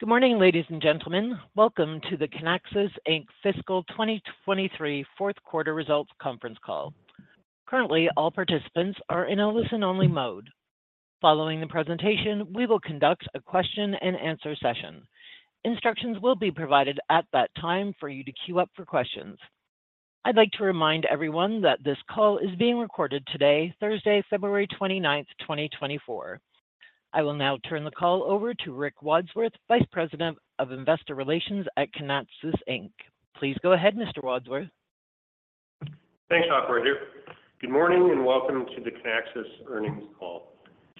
Good morning, ladies and gentlemen. Welcome to the Kinaxis Inc. Fiscal 2023 Fourth Quarter Results Conference Call. Currently, all participants are in a listen-only mode. Following the presentation, we will conduct a question-and-answer session. Instructions will be provided at that time for you to queue up for questions. I'd like to remind everyone that this call is being recorded today, Thursday, February 29th, 2024. I will now turn the call over to Rick Wadsworth, Vice President of Investor Relations at Kinaxis Inc. Please go ahead, Mr. Wadsworth. Thanks, Operator. Good morning and welcome to the Kinaxis earnings call.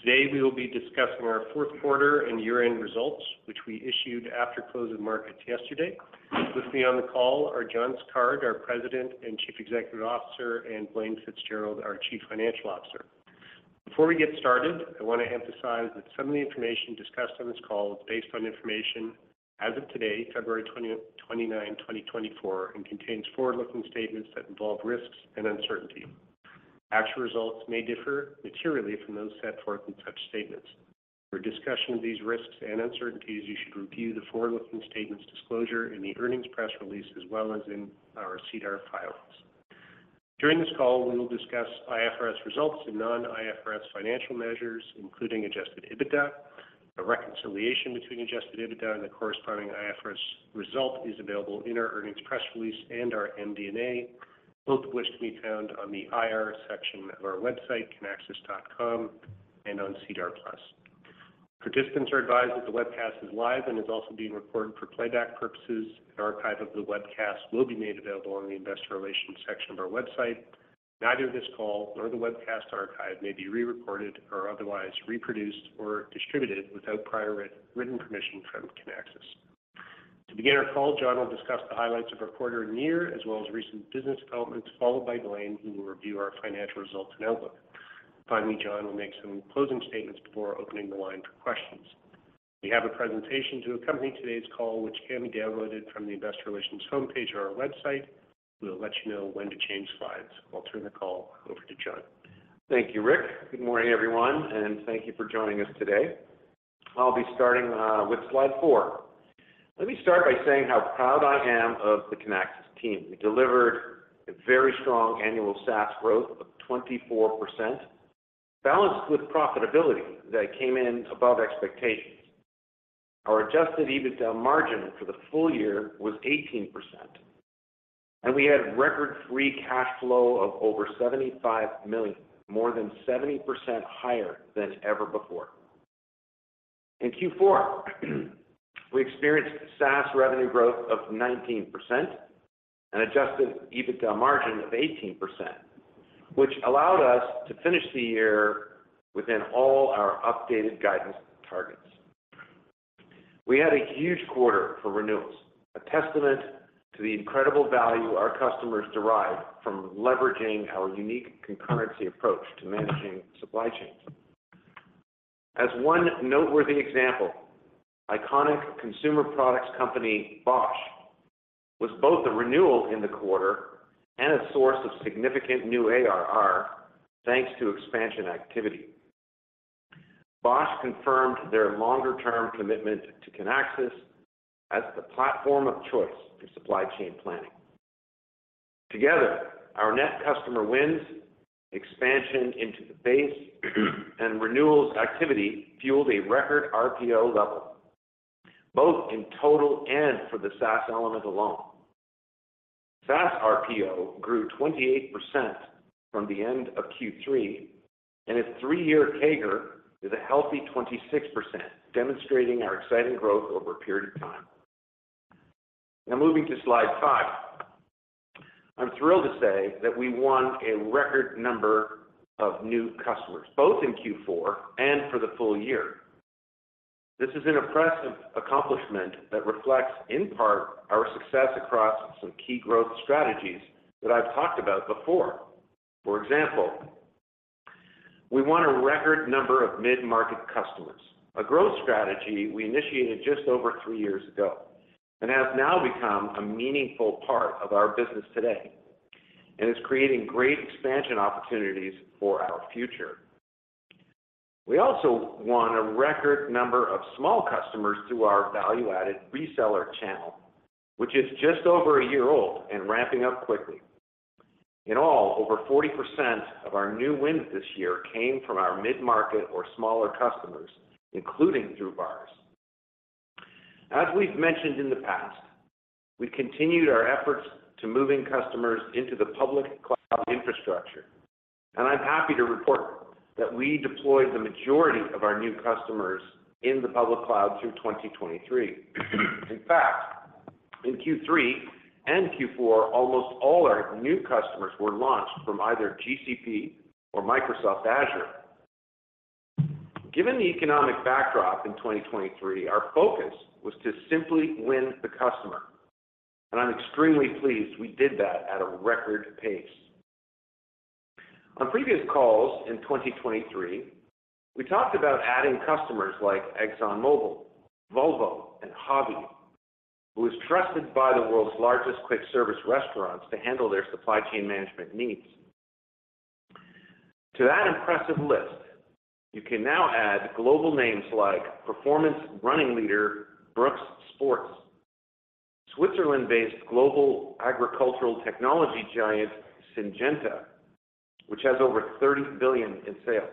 Today we will be discussing our fourth quarter and year-end results, which we issued after closing markets yesterday. With me on the call are John Sicard, our President and Chief Executive Officer, and Blaine Fitzgerald, our Chief Financial Officer. Before we get started, I want to emphasize that some of the information discussed on this call is based on information as of today, February 29, 2024, and contains forward-looking statements that involve risks and uncertainty. Actual results may differ materially from those set forth in such statements. For discussion of these risks and uncertainties, you should review the forward-looking statements disclosure in the earnings press release as well as in our SEDAR files. During this call, we will discuss IFRS results and non-IFRS financial measures, including Adjusted EBITDA. A reconciliation between Adjusted EBITDA and the corresponding IFRS result is available in our earnings press release and our MD&A, both of which can be found on the IR section of our website, kinaxis.com, and on SEDAR+. Participants are advised that the webcast is live and is also being recorded for playback purposes. An archive of the webcast will be made available on the Investor Relations section of our website. Neither this call nor the webcast archive may be rerecorded or otherwise reproduced or distributed without prior written permission from Kinaxis. To begin our call, John will discuss the highlights of our quarter and year as well as recent business developments, followed by Blaine, who will review our financial results and outlook. Finally, John will make some closing statements before opening the line for questions. We have a presentation to accompany today's call, which can be downloaded from the Investor Relations homepage or our website. We'll let you know when to change slides. I'll turn the call over to John. Thank you, Rick. Good morning, everyone, and thank you for joining us today. I'll be starting with slide four. Let me start by saying how proud I am of the Kinaxis team. We delivered a very strong annual SaaS growth of 24%, balanced with profitability that came in above expectations. Our Adjusted EBITDA margin for the full year was 18%, and we had record free cash flow of over $75 million, more than 70% higher than ever before. In Q4, we experienced SaaS revenue growth of 19% and an Adjusted EBITDA margin of 18%, which allowed us to finish the year within all our updated guidance targets. We had a huge quarter for renewals, a testament to the incredible value our customers derive from leveraging our unique concurrency approach to managing supply chains. As one noteworthy example, iconic consumer products company Bosch was both a renewal in the quarter and a source of significant new ARR thanks to expansion activity. Bosch confirmed their longer-term commitment to Kinaxis as the platform of choice for supply chain planning. Together, our net customer wins, expansion into the base, and renewals activity fueled a record RPO level, both in total and for the SaaS element alone. SaaS RPO grew 28% from the end of Q3, and its three-year CAGR is a healthy 26%, demonstrating our exciting growth over a period of time. Now, moving to slide five, I'm thrilled to say that we won a record number of new customers, both in Q4 and for the full year. This is an impressive accomplishment that reflects, in part, our success across some key growth strategies that I've talked about before. For example, we won a record number of mid-market customers, a growth strategy we initiated just over three years ago and has now become a meaningful part of our business today and is creating great expansion opportunities for our future. We also won a record number of small customers through our value-added reseller channel, which is just over a year old and ramping up quickly. In all, over 40% of our new wins this year came from our mid-market or smaller customers, including through VARs. As we've mentioned in the past, we've continued our efforts to move in customers into the public cloud infrastructure, and I'm happy to report that we deployed the majority of our new customers in the public cloud through 2023. In fact, in Q3 and Q4, almost all our new customers were launched from either GCP or Microsoft Azure. Given the economic backdrop in 2023, our focus was to simply win the customer, and I'm extremely pleased we did that at a record pace. On previous calls in 2023, we talked about adding customers like ExxonMobil, Volvo, and HAVI, who was trusted by the world's largest quick-service restaurants to handle their supply chain management needs. To that impressive list, you can now add global names like performance running leader Brooks Running, Switzerland-based global agricultural technology giant Syngenta, which has over $30 billion in sales,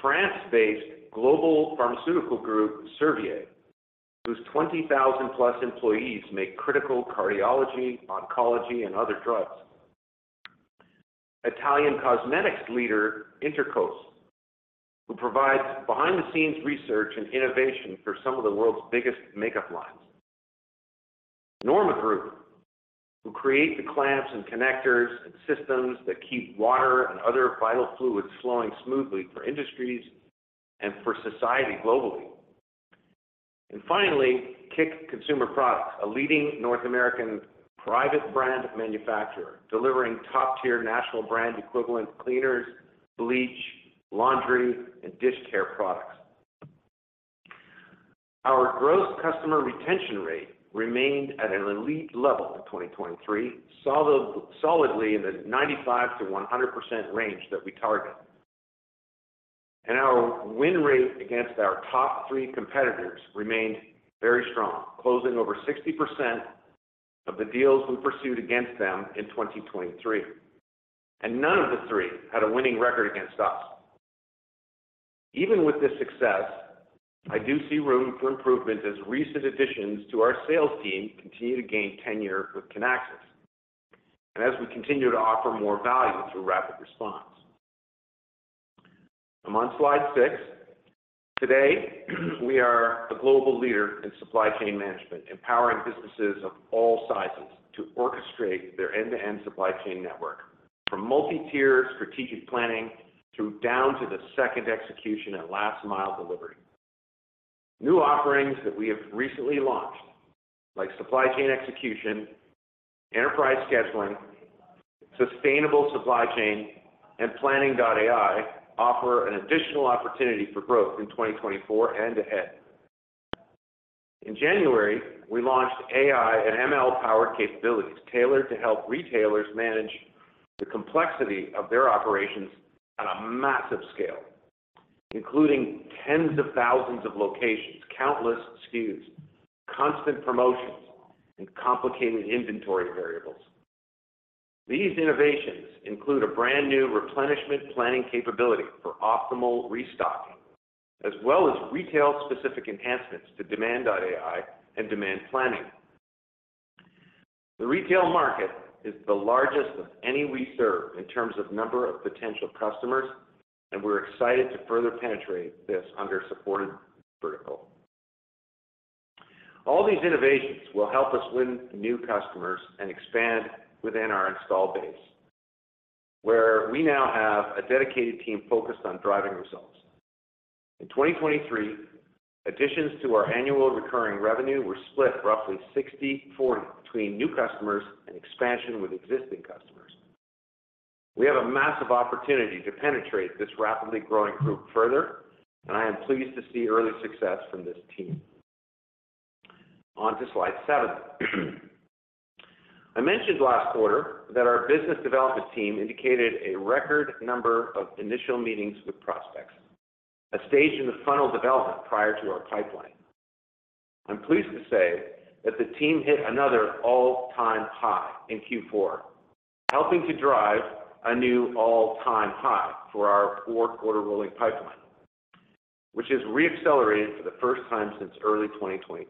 France-based global pharmaceutical group Servier, whose 20,000+ employees make critical cardiology, oncology, and other drugs, Italian cosmetics leader Intercos, who provides behind-the-scenes research and innovation for some of the world's biggest makeup lines, NORMA Group, who creates the clamps and connectors and systems that keep water and other vital fluids flowing smoothly for industries and for society globally, and finally, KIK Consumer Products, a leading North American private brand manufacturer delivering top-tier national brand equivalent cleaners, bleach, laundry, and dish care products. Our gross customer retention rate remained at an elite level in 2023, solidly in the 95%-100% range that we target, and our win rate against our top three competitors remained very strong, closing over 60% of the deals we pursued against them in 2023, and none of the three had a winning record against us. Even with this success, I do see room for improvement as recent additions to our sales team continue to gain tenure with Kinaxis and as we continue to offer more value through RapidResponse. I'm on slide six. Today, we are a global leader in supply chain management, empowering businesses of all sizes to orchestrate their end-to-end supply chain network, from multi-tier strategic planning down to the second execution and last-mile delivery. New offerings that we have recently launched, like supply chain execution, enterprise scheduling, sustainable supply chain, and Planning.AI, offer an additional opportunity for growth in 2024 and ahead. In January, we launched AI and ML-powered capabilities tailored to help retailers manage the complexity of their operations on a massive scale, including tens of thousands of locations, countless SKUs, constant promotions, and complicated inventory variables. These innovations include a brand new replenishment planning capability for optimal restocking, as well as retail-specific enhancements to Demand.AI and demand planning. The retail market is the largest of any we serve in terms of number of potential customers, and we're excited to further penetrate this underserved vertical. All these innovations will help us win new customers and expand within our installed base, where we now have a dedicated team focused on driving results. In 2023, additions to our annual recurring revenue were split roughly 60/40 between new customers and expansion with existing customers. We have a massive opportunity to penetrate this rapidly growing group further, and I am pleased to see early success from this team. On to slide seven. I mentioned last quarter that our business development team indicated a record number of initial meetings with prospects, a stage in the funnel development prior to our pipeline. I'm pleased to say that the team hit another all-time high in Q4, helping to drive a new all-time high for our four-quarter rolling pipeline, which has reaccelerated for the first time since early 2023.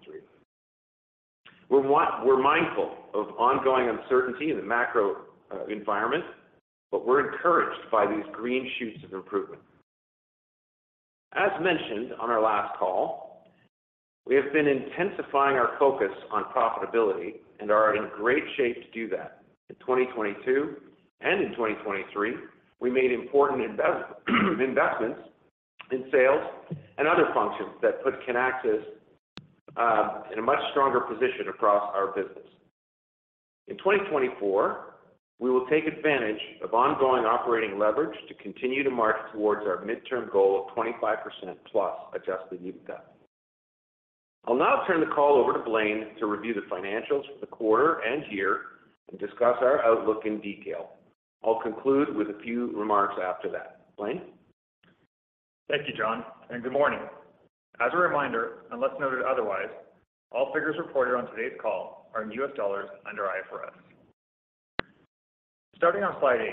We're mindful of ongoing uncertainty in the macro environment, but we're encouraged by these green shoots of improvement. As mentioned on our last call, we have been intensifying our focus on profitability and are in great shape to do that. In 2022 and in 2023, we made important investments in sales and other functions that put Kinaxis in a much stronger position across our business. In 2024, we will take advantage of ongoing operating leverage to continue to market towards our midterm goal of 25%+ Adjusted EBITDA. I'll now turn the call over to Blaine to review the financials for the quarter and year and discuss our outlook in detail. I'll conclude with a few remarks after that. Blaine? Thank you, John, and good morning. As a reminder, unless noted otherwise, all figures reported on today's call are in U.S. dollars under IFRS. Starting on slide 8,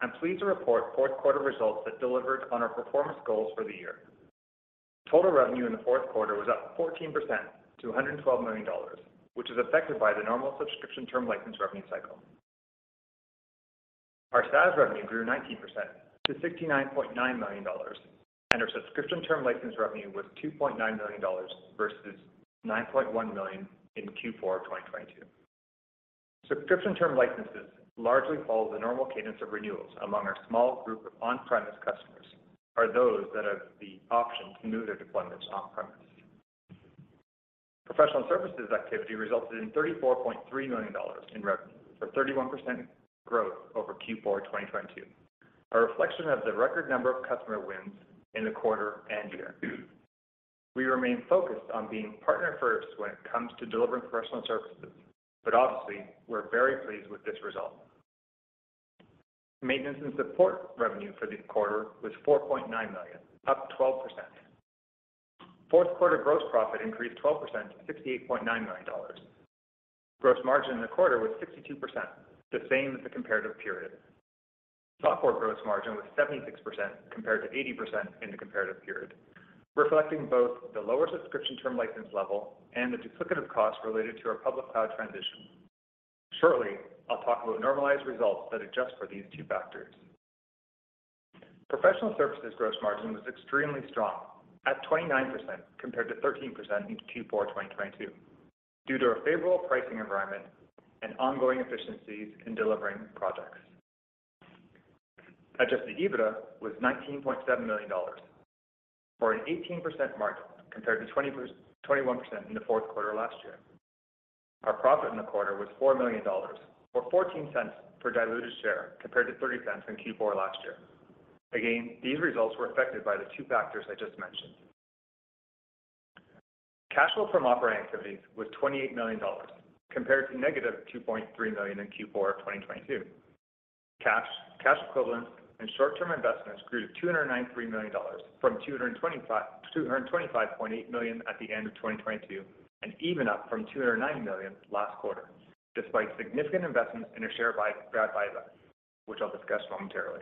I'm pleased to report fourth-quarter results that delivered on our performance goals for the year. Total revenue in the fourth quarter was up 14% to $112 million, which is affected by the normal subscription term license revenue cycle. Our SaaS revenue grew 19% to $69.9 million, and our subscription term license revenue was $2.9 million versus $9.1 million in Q4 of 2022. Subscription term licenses largely follow the normal cadence of renewals. Among our small group of on-premise customers are those that have the option to move their deployments on-premise. Professional services activity resulted in $34.3 million in revenue for 31% growth over Q4 of 2022, a reflection of the record number of customer wins in the quarter and year. We remain focused on being partner-first when it comes to delivering professional services, but obviously, we're very pleased with this result. Maintenance and support revenue for the quarter was $4.9 million, up 12%. Fourth-quarter gross profit increased 12% to $68.9 million. Gross margin in the quarter was 62%, the same as the comparative period. Software gross margin was 76% compared to 80% in the comparative period, reflecting both the lower subscription term license level and the duplicative costs related to our public cloud transition. Shortly, I'll talk about normalized results that adjust for these two factors. Professional services gross margin was extremely strong, at 29% compared to 13% in Q4 of 2022 due to a favorable pricing environment and ongoing efficiencies in delivering projects. Adjusted EBITDA was $19.7 million for an 18% margin compared to 21% in the fourth quarter last year. Our profit in the quarter was $4 million or $0.14 per diluted share compared to $0.30 in Q4 last year. Again, these results were affected by the two factors I just mentioned. Cash flow from operating activities was $28 million compared to negative $2.3 million in Q4 of 2022. Cash equivalents and short-term investments grew to $293 million from $225.8 million at the end of 2022 and even up from $209 million last quarter, despite significant investments in a share buyback program, which I'll discuss momentarily.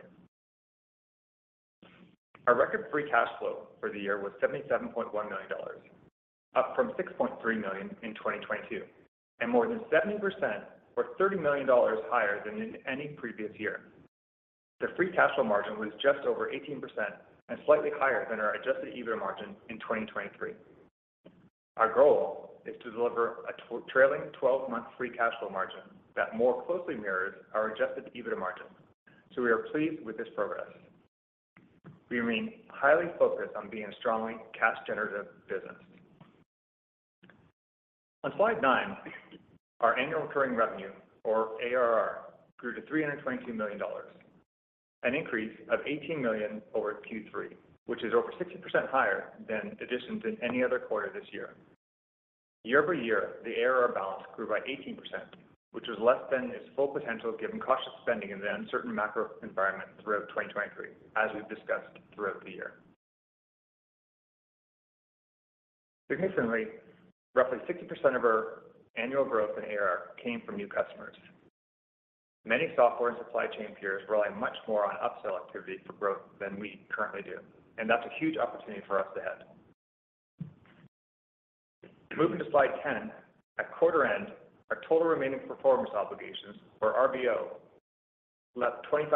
Our record free cash flow for the year was $77.1 million, up from $6.3 million in 2022 and more than 70% or $30 million higher than in any previous year. The free cash flow margin was just over 18% and slightly higher than our Adjusted EBITDA margin in 2023. Our goal is to deliver a trailing 12-month free cash flow margin that more closely mirrors our adjusted EBITDA margin, so we are pleased with this progress. We remain highly focused on being a strongly cash-generative business. On slide nine, our annual recurring revenue, or ARR, grew to $322 million, an increase of $18 million over Q3, which is over 60% higher than additions in any other quarter this year. Year-over-year, the ARR balance grew by 18%, which was less than its full potential given cautious spending in the uncertain macro environment throughout 2023, as we've discussed throughout the year. Significantly, roughly 60% of our annual growth in ARR came from new customers. Many software and supply chain peers rely much more on upsell activity for growth than we currently do, and that's a huge opportunity for us ahead. Moving to slide 10, at quarter-end, our total remaining performance obligations, or RPO, leapt 25%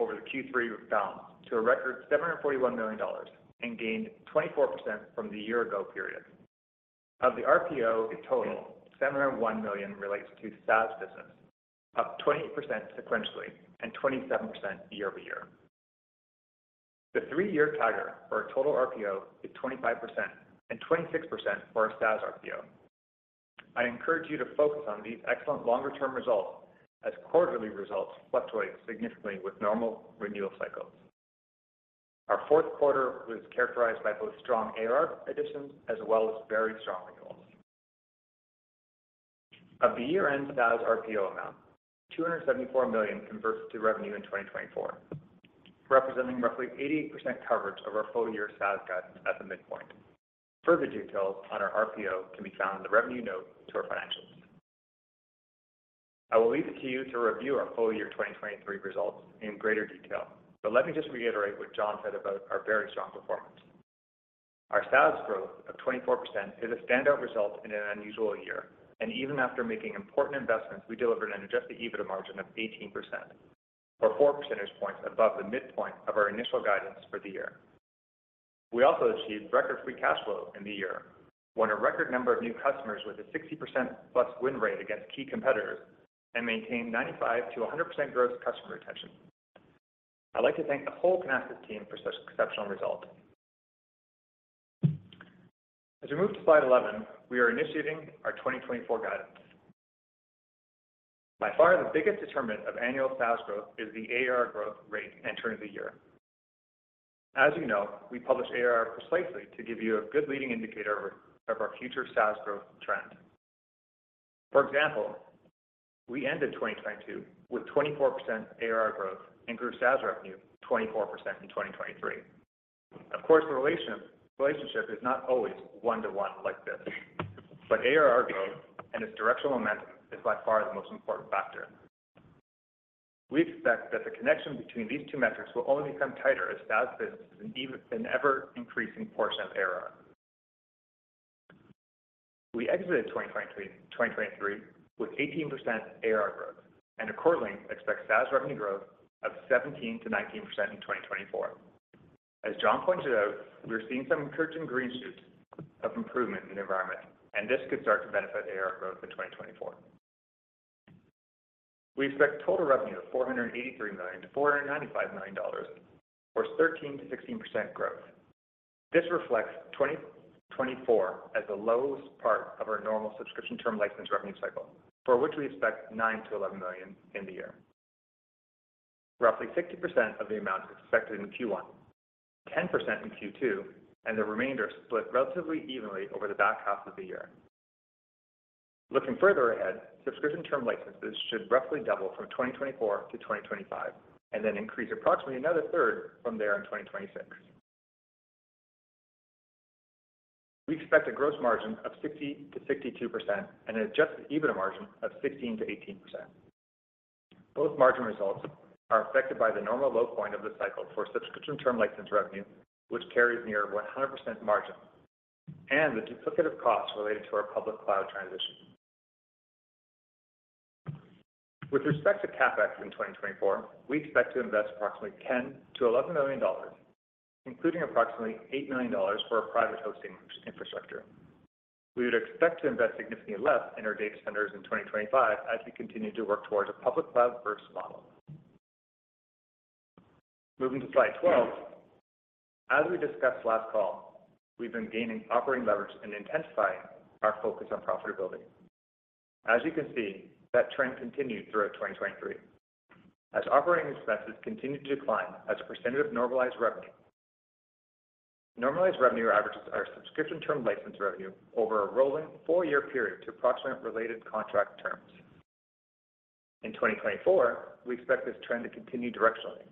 over the Q3 balance to a record $741 million and gained 24% from the year-ago period. Of the RPO in total, $701 million relates to SaaS business, up 28% sequentially and 27% year-over-year. The three-year CAGR, or total RPO, is 25% and 26% for our SaaS RPO. I encourage you to focus on these excellent longer-term results as quarterly results fluctuate significantly with normal renewal cycles. Our fourth quarter was characterized by both strong ARR additions as well as very strong renewals. Of the year-end SaaS RPO amount, $274 million converts to revenue in 2024, representing roughly 88% coverage of our full-year SaaS guidance at the midpoint. Further details on our RPO can be found in the revenue note to our financials. I will leave it to you to review our full-year 2023 results in greater detail, but let me just reiterate what John said about our very strong performance. Our SaaS growth of 24% is a standout result in an unusual year, and even after making important investments, we delivered an adjusted EBITDA margin of 18%, or 4 percentage points above the midpoint of our initial guidance for the year. We also achieved record free cash flow in the year, won a record number of new customers with a 60%+ win rate against key competitors, and maintained 95%-100% gross customer retention. I'd like to thank the whole Kinaxis team for such an exceptional result. As we move to slide 11, we are initiating our 2024 guidance. By far, the biggest determinant of annual SaaS growth is the ARR growth rate in terms of the year. As you know, we publish ARR precisely to give you a good leading indicator of our future SaaS growth trend. For example, we ended 2022 with 24% ARR growth and grew SaaS revenue 24% in 2023. Of course, the relationship is not always one-to-one like this, but ARR growth and its directional momentum is by far the most important factor. We expect that the connection between these two metrics will only become tighter as SaaS business is an ever-increasing portion of ARR. We exited 2023 with 18% ARR growth, and accordingly, expect SaaS revenue growth of 17%-19% in 2024. As John pointed out, we're seeing some encouraging green shoots of improvement in the environment, and this could start to benefit ARR growth in 2024. We expect total revenue of $483 million-$495 million, or 13%-16% growth. This reflects 2024 as the lowest part of our normal subscription term license revenue cycle, for which we expect 9 million-11 million in the year. Roughly 60% of the amount is expected in Q1, 10% in Q2, and the remainder split relatively evenly over the back half of the year. Looking further ahead, subscription term licenses should roughly double from 2024 to 2025 and then increase approximately another third from there in 2026. We expect a gross margin of 60%-62% and an adjusted EBITDA margin of 16%-18%. Both margin results are affected by the normal low point of the cycle for subscription term license revenue, which carries near 100% margin, and the duplicative costs related to our public cloud transition. With respect to CapEx in 2024, we expect to invest approximately $10 million-$11 million, including approximately $8 million for our private hosting infrastructure. We would expect to invest significantly less in our data centers in 2025 as we continue to work towards a public cloud-first model. Moving to slide 12, as we discussed last call, we've been gaining operating leverage and intensifying our focus on profitability. As you can see, that trend continued throughout 2023. As operating expenses continue to decline as a percentage of normalized revenue, normalized revenue averages our Subscription Term License revenue over a rolling four-year period to approximate related contract terms. In 2024, we expect this trend to continue directionally.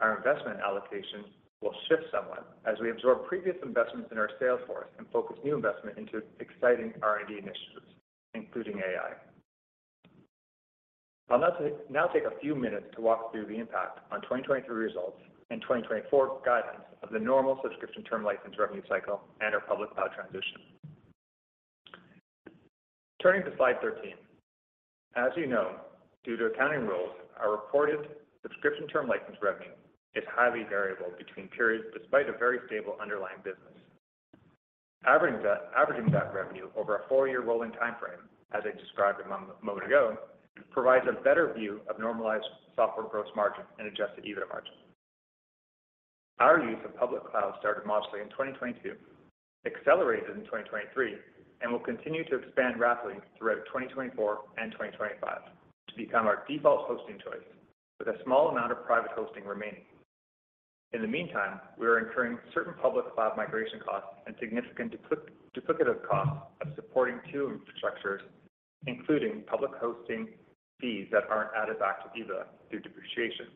Our investment allocation will shift somewhat as we absorb previous investments in our sales force and focus new investment into exciting R&D initiatives, including AI. I'll now take a few minutes to walk through the impact on 2023 results and 2024 guidance of the normal Subscription Term License revenue cycle and our public cloud transition. Turning to slide 13, as you know, due to accounting rules, our reported subscription term license revenue is highly variable between periods despite a very stable underlying business. Averaging that revenue over a four year rolling time frame, as I described a moment ago, provides a better view of normalized software gross margin and Adjusted EBITDA margin. Our use of public cloud started modestly in 2022, accelerated in 2023, and will continue to expand rapidly throughout 2024 and 2025 to become our default hosting choice, with a small amount of private hosting remaining. In the meantime, we are incurring certain public cloud migration costs and significant duplicative costs of supporting two infrastructures, including public hosting fees that aren't added back to EBITDA through depreciation,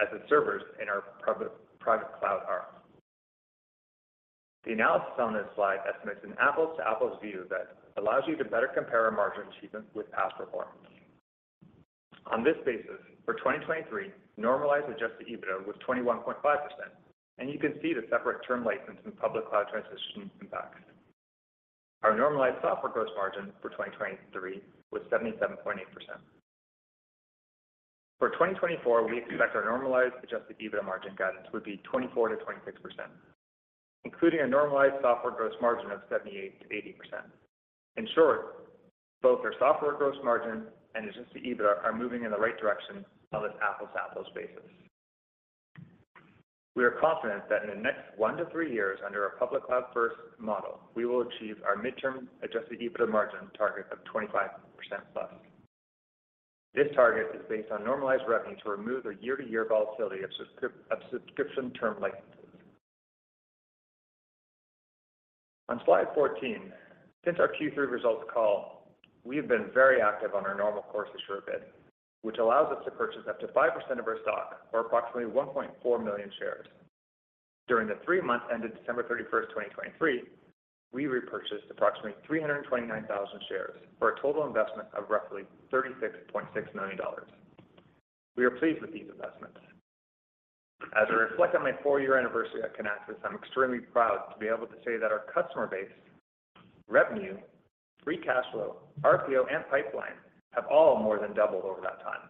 as the servers in our private cloud are. The analysis on this slide estimates an apples-to-apples view that allows you to better compare our margin achievement with past performance. On this basis, for 2023, normalized Adjusted EBITDA was 21.5%, and you can see the separate term license and public cloud transition impacts. Our normalized software gross margin for 2023 was 77.8%. For 2024, we expect our normalized Adjusted EBITDA margin guidance would be 24%-26%, including a normalized software gross margin of 78%-80%. In short, both our software gross margin and Adjusted EBITDA are moving in the right direction on this apples-to-apples basis. We are confident that in the next one to three years under our public cloud-first model, we will achieve our midterm Adjusted EBITDA margin target of 25%+. This target is based on normalized revenue to remove the year-to-year volatility of subscription term licenses. On slide 14, since our Q3 results call, we have been very active on our normal course issuer bid, which allows us to purchase up to 5% of our stock or approximately 1.4 million shares. During the 3 months ended December 31st, 2023, we repurchased approximately 329,000 shares for a total investment of roughly $36.6 million. We are pleased with these investments. As I reflect on my four year anniversary at Kinaxis, I'm extremely proud to be able to say that our customer base, revenue, free cash flow, RPO, and pipeline have all more than doubled over that time,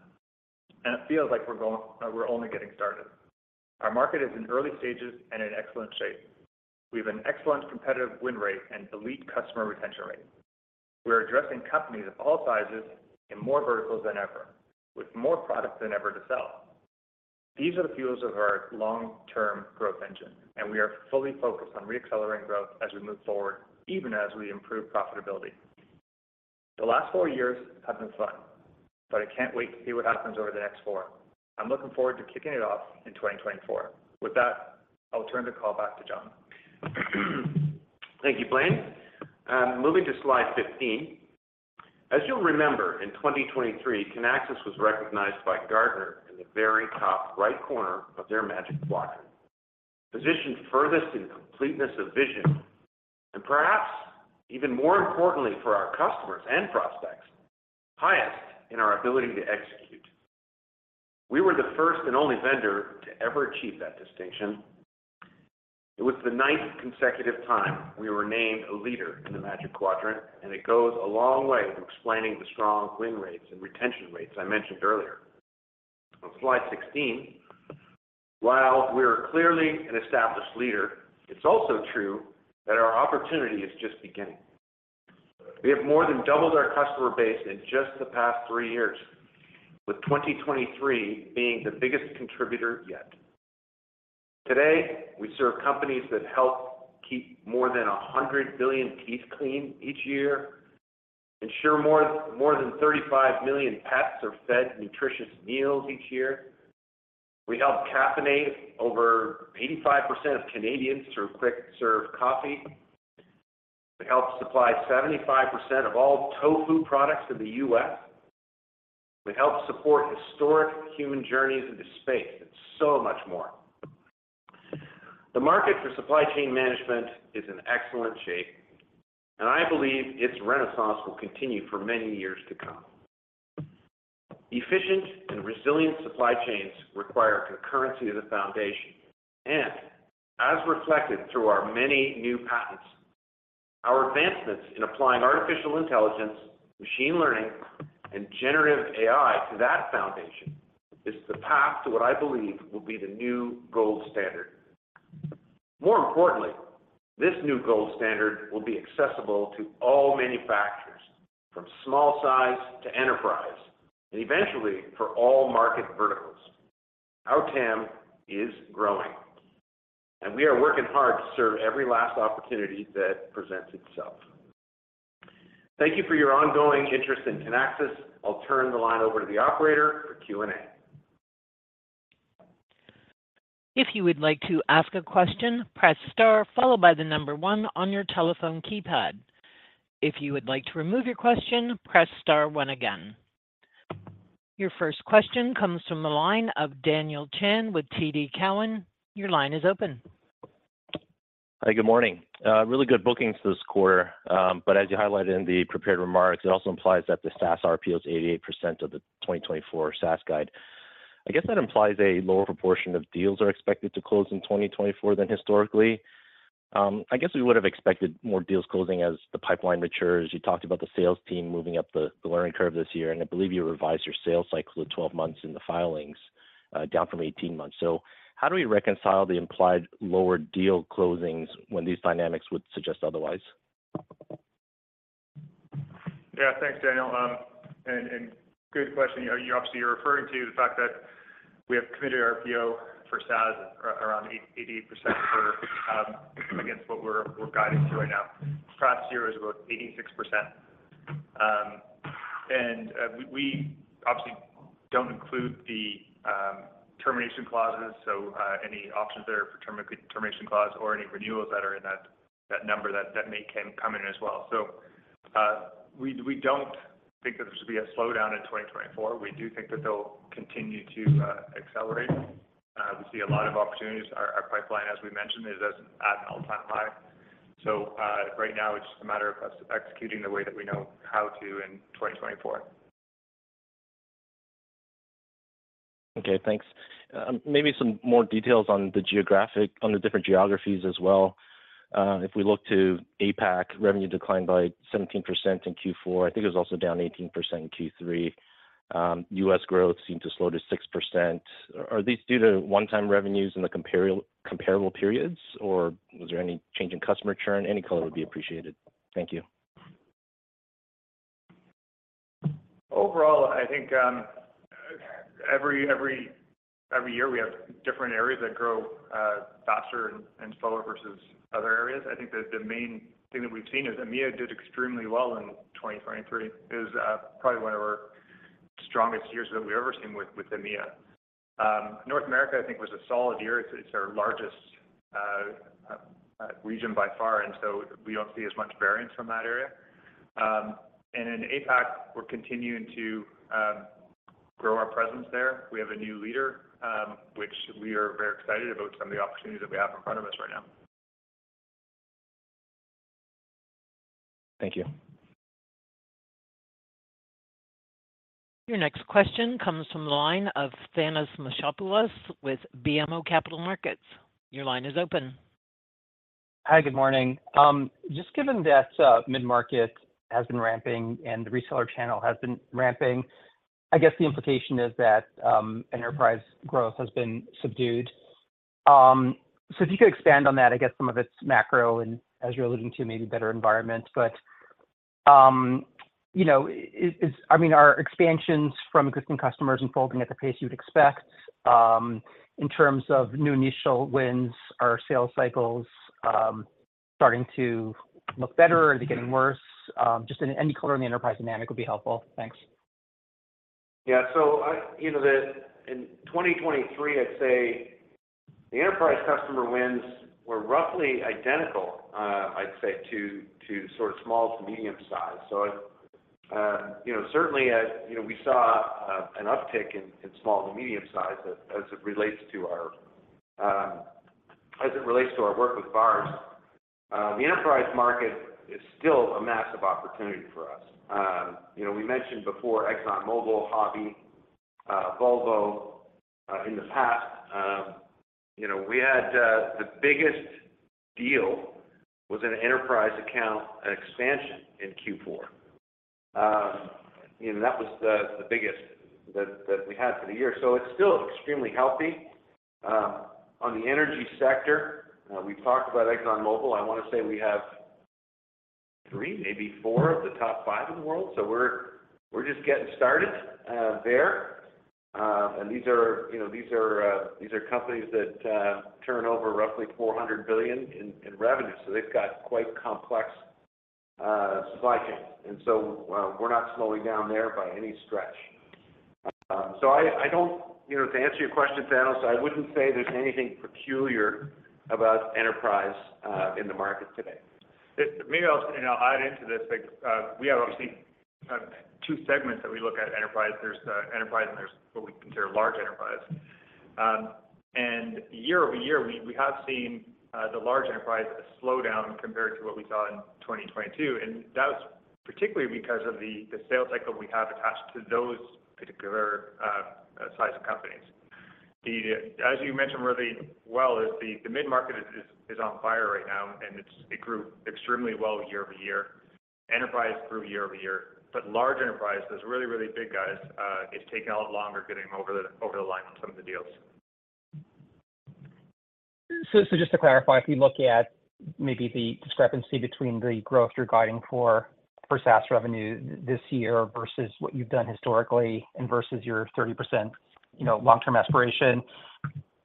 and it feels like we're only getting started. Our market is in early stages and in excellent shape. We have an excellent competitive win rate and elite customer retention rate. We are addressing companies of all sizes in more verticals than ever, with more products than ever to sell. These are the fuels of our long-term growth engine, and we are fully focused on reaccelerating growth as we move forward, even as we improve profitability. The last four years have been fun, but I can't wait to see what happens over the next four. I'm looking forward to kicking it off in 2024. With that, I'll turn the call back to John. Thank you, Blaine. Moving to Slide 15, as you'll remember, in 2023, Kinaxis was recognized by Gartner in the very top right corner of their Magic Quadrant, positioned furthest in completeness of vision and, perhaps even more importantly for our customers and prospects, highest in our ability to execute. We were the first and only vendor to ever achieve that distinction. It was the ninth consecutive time we were named a leader in the Magic Quadrant, and it goes a long way to explaining the strong win rates and retention rates I mentioned earlier. On slide 16, while we are clearly an established leader, it's also true that our opportunity is just beginning. We have more than doubled our customer base in just the past three years, with 2023 being the biggest contributor yet. Today, we serve companies that help keep more than 100 billion teeth clean each year, ensure more than 35 million pets are fed nutritious meals each year. We help caffeinate over 85% of Canadians through quick-serve coffee. We help supply 75% of all tofu products in the U.S. We help support historic human journeys into space and so much more. The market for supply chain management is in excellent shape, and I believe its renaissance will continue for many years to come. Efficient and resilient supply chains require concurrency as a foundation, and as reflected through our many new patents, our advancements in applying artificial intelligence, machine learning, and generative AI to that foundation is the path to what I believe will be the new gold standard. More importantly, this new gold standard will be accessible to all manufacturers, from small size to enterprise, and eventually for all market verticals. Our TAM is growing, and we are working hard to serve every last opportunity that presents itself. Thank you for your ongoing interest in Kinaxis. I'll turn the line over to the operator for Q&A. If you would like to ask a question, press star followed by the number one on your telephone keypad. If you would like to remove your question, press star one again. Your first question comes from the line of Daniel Chan with TD Cowen. Your line is open. Hi, good morning. Really good bookings this quarter, but as you highlighted in the prepared remarks, it also implies that the SaaS RPO is 88% of the 2024 SaaS guide. I guess that implies a lower proportion of deals are expected to close in 2024 than historically. I guess we would have expected more deals closing as the pipeline matures. You talked about the sales team moving up the learning curve this year, and I believe you revised your sales cycle to 12 months in the filings, down from 18 months. So how do we reconcile the implied lower deal closings when these dynamics would suggest otherwise? Yeah, thanks, Daniel. And good question. Obviously, you're referring to the fact that we have committed RPO for SaaS around 88% against what we're guided to right now. Past year was about 86%. And we obviously don't include the termination clauses, so any options there for termination clause or any renewals that are in that number that may come in as well. So we don't think that there should be a slowdown in 2024. We do think that they'll continue to accelerate. We see a lot of opportunities. Our pipeline, as we mentioned, is at an all-time high. So right now, it's just a matter of us executing the way that we know how to in 2024. Okay, thanks. Maybe some more details on the different geographies as well. If we look to APAC, revenue declined by 17% in Q4. I think it was also down 18% in Q3. U.S. growth seemed to slow to 6%. Are these due to one-time revenues in the comparable periods, or was there any change in customer churn? Any color would be appreciated. Thank you. Overall, I think every year we have different areas that grow faster and slower versus other areas. I think the main thing that we've seen is EMEA did extremely well in 2023. It was probably one of our strongest years that we've ever seen with EMEA. North America, I think, was a solid year. It's our largest region by far, and so we don't see as much variance from that area. And in APAC, we're continuing to grow our presence there. We have a new leader, which we are very excited about, some of the opportunities that we have in front of us right now. Thank you. Your next question comes from the line of Thanos Moschopoulos with BMO Capital Markets. Your line is open. Hi, good morning. Just given that mid-market has been ramping and the reseller channel has been ramping, I guess the implication is that enterprise growth has been subdued. So if you could expand on that, I guess some of it's macro and, as you're alluding to, maybe better environment. But I mean, are expansions from existing customers unfolding at the pace you would expect? In terms of new initial wins, are sales cycles starting to look better, or are they getting worse? Just any color in the enterprise dynamic would be helpful. Thanks. Yeah, so in 2023, I'd say the enterprise customer wins were roughly identical, I'd say, to sort of small to medium size. So certainly, we saw an uptick in small to medium size as it relates to our work with VARs. The enterprise market is still a massive opportunity for us. We mentioned before ExxonMobil, HAVI, Volvo in the past. We had the biggest deal was an enterprise account expansion in Q4. That was the biggest that we had for the year. So it's still extremely healthy. On the energy sector, we've talked about ExxonMobil. I want to say we have three, maybe four of the top five in the world. So we're just getting started there. And these are companies that turn over roughly $400 billion in revenue. So they've got quite complex supply chains. We're not slowing down there by any stretch. To answer your question, Thanos, I wouldn't say there's anything peculiar about enterprise in the market today. Maybe I'll add into this because we have obviously two segments that we look at: enterprise, there's enterprise, and there's what we consider large enterprise. Year-over-year, we have seen the large enterprise slow down compared to what we saw in 2022. And that was particularly because of the sales cycle we have attached to those particular size of companies. As you mentioned really well, the mid-market is on fire right now, and it grew extremely well year-over-year. Enterprise grew year-over-year. But large enterprise, those really, really big guys, it's taking a lot longer getting them over the line on some of the deals. Just to clarify, if we look at maybe the discrepancy between the growth you're guiding for SaaS revenue this year versus what you've done historically and versus your 30% long-term aspiration,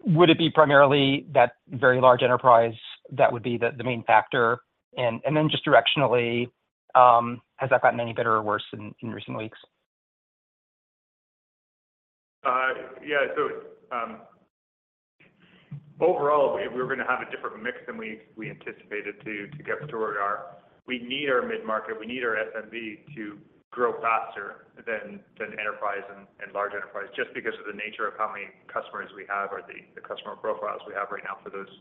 would it be primarily that very large enterprise that would be the main factor? Then just directionally, has that gotten any better or worse in recent weeks? Yeah, so overall, we were going to have a different mix than we anticipated to get toward our we need our mid-market. We need our SMB to grow faster than enterprise and large enterprise just because of the nature of how many customers we have or the customer profiles we have right now for those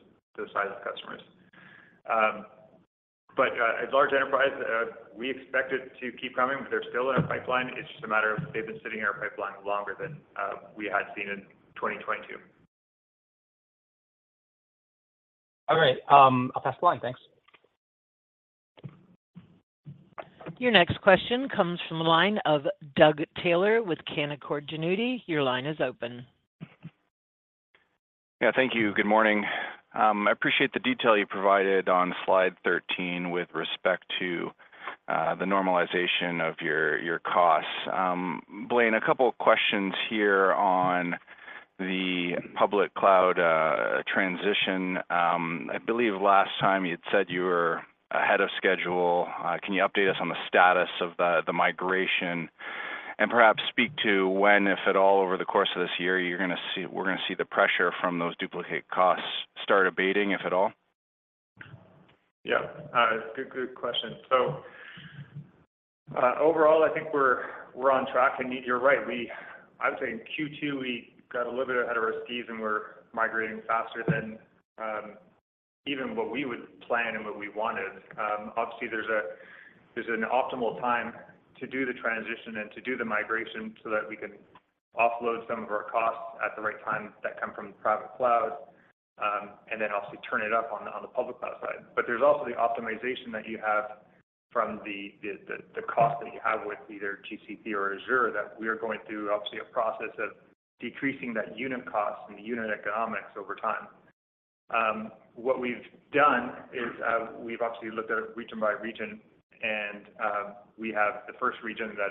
size of customers. But large enterprise, we expect it to keep coming. They're still in our pipeline. It's just a matter of they've been sitting in our pipeline longer than we had seen in 2022. All right. I'll pass the line. Thanks. Your next question comes from the line of Doug Taylor with Canaccord Genuity. Your line is open. Yeah, thank you. Good morning. I appreciate the detail you provided on slide 13 with respect to the normalization of your costs. Blaine, a couple of questions here on the public cloud transition. I believe last time you'd said you were ahead of schedule. Can you update us on the status of the migration and perhaps speak to when, if at all, over the course of this year, we're going to see the pressure from those duplicate costs start abating, if at all? Yeah, good question. So overall, I think we're on track. And you're right. I would say in Q2, we got a little bit ahead of our skis, and we're migrating faster than even what we would plan and what we wanted. Obviously, there's an optimal time to do the transition and to do the migration so that we can offload some of our costs at the right time that come from the private cloud and then obviously turn it up on the public cloud side. But there's also the optimization that you have from the cost that you have with either GCP or Azure that we are going through, obviously, a process of decreasing that unit cost and the unit economics over time. What we've done is we've obviously looked at it region by region, and we have the first region that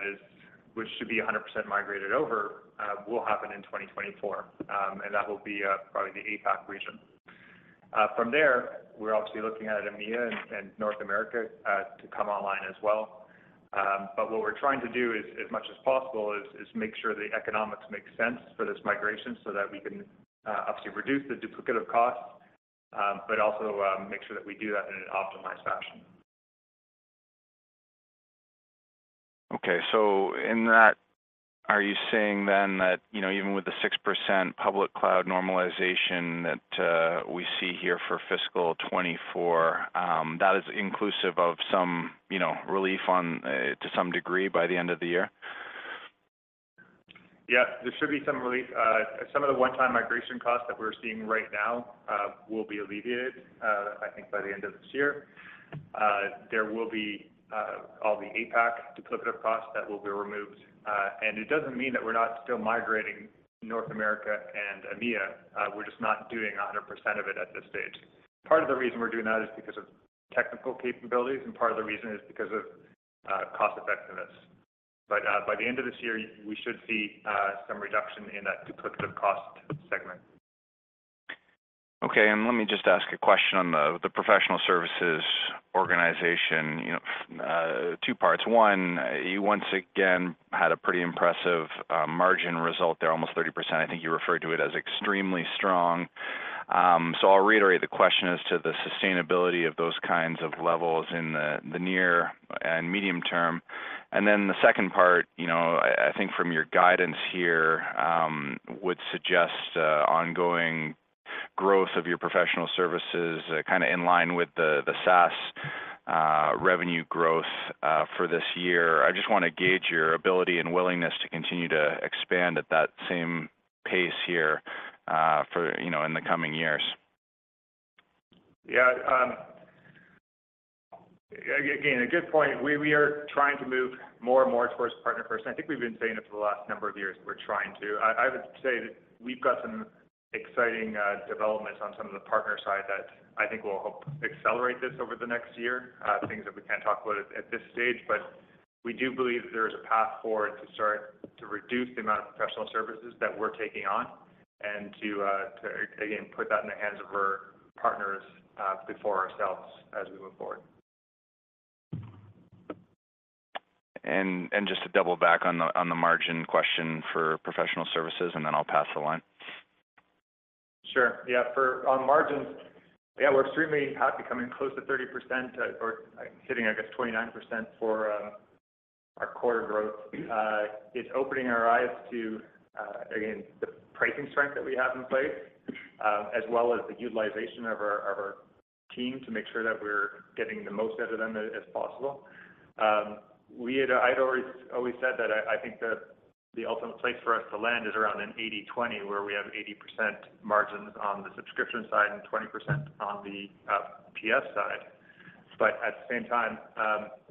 should be 100% migrated over will happen in 2024, and that will be probably the APAC region. From there, we're obviously looking at EMEA and North America to come online as well. But what we're trying to do, as much as possible, is make sure the economics make sense for this migration so that we can obviously reduce the duplicative costs but also make sure that we do that in an optimized fashion. Okay, so in that, are you saying then that even with the 6% public cloud normalization that we see here for fiscal 2024, that is inclusive of some relief to some degree by the end of the year? Yeah, there should be some relief. Some of the one-time migration costs that we're seeing right now will be alleviated, I think, by the end of this year. There will be all the APAC duplicative costs that will be removed. It doesn't mean that we're not still migrating North America and EMEA. We're just not doing 100% of it at this stage. Part of the reason we're doing that is because of technical capabilities, and part of the reason is because of cost-effectiveness. But by the end of this year, we should see some reduction in that duplicative cost segment. Okay, and let me just ask a question on the professional services organization. Two parts. One, you once again had a pretty impressive margin result there, almost 30%. I think you referred to it as extremely strong. So I'll reiterate, the question is to the sustainability of those kinds of levels in the near and medium term. And then the second part, I think from your guidance here, would suggest ongoing growth of your professional services kind of in line with the SaaS revenue growth for this year. I just want to gauge your ability and willingness to continue to expand at that same pace here in the coming years. Yeah, again, a good point. We are trying to move more and more towards partner-first. I think we've been saying it for the last number of years. We're trying to. I would say that we've got some exciting developments on some of the partner side that I think will help accelerate this over the next year, things that we can't talk about at this stage. But we do believe that there is a path forward to start to reduce the amount of professional services that we're taking on and to, again, put that in the hands of our partners before ourselves as we move forward. Just to double back on the margin question for professional services, and then I'll pass the line. Sure. Yeah, on margins, yeah, we're extremely happy coming close to 30% or hitting, I guess, 29% for our quarter growth. It's opening our eyes to, again, the pricing strength that we have in place as well as the utilization of our team to make sure that we're getting the most out of them as possible. I'd always said that I think the ultimate place for us to land is around an 80/20 where we have 80% margins on the subscription side and 20% on the PS side. But at the same time,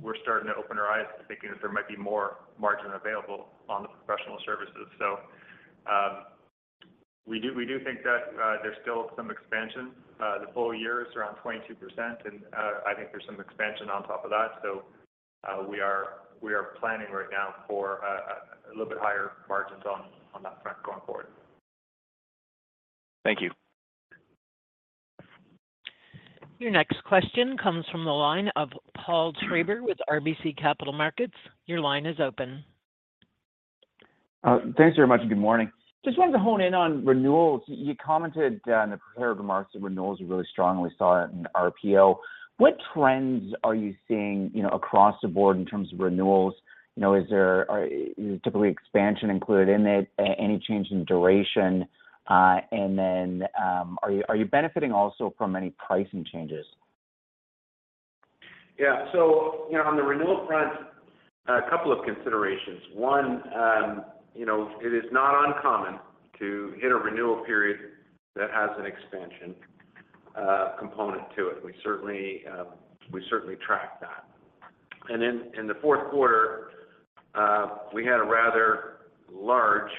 we're starting to open our eyes to thinking that there might be more margin available on the professional services. So we do think that there's still some expansion. The full year is around 22%, and I think there's some expansion on top of that. We are planning right now for a little bit higher margins on that front going forward. Thank you. Your next question comes from the line of Paul Treiber with RBC Capital Markets. Your line is open. Thanks very much. Good morning. Just wanted to hone in on renewals. You commented in the prepared remarks that renewals are really strong. We saw it in RPO. What trends are you seeing across the board in terms of renewals? Is expansion typically included in it? Any change in duration? And then are you benefiting also from any pricing changes? Yeah, so on the renewal front, a couple of considerations. One, it is not uncommon to hit a renewal period that has an expansion component to it. We certainly track that. And then in the fourth quarter, we had a rather large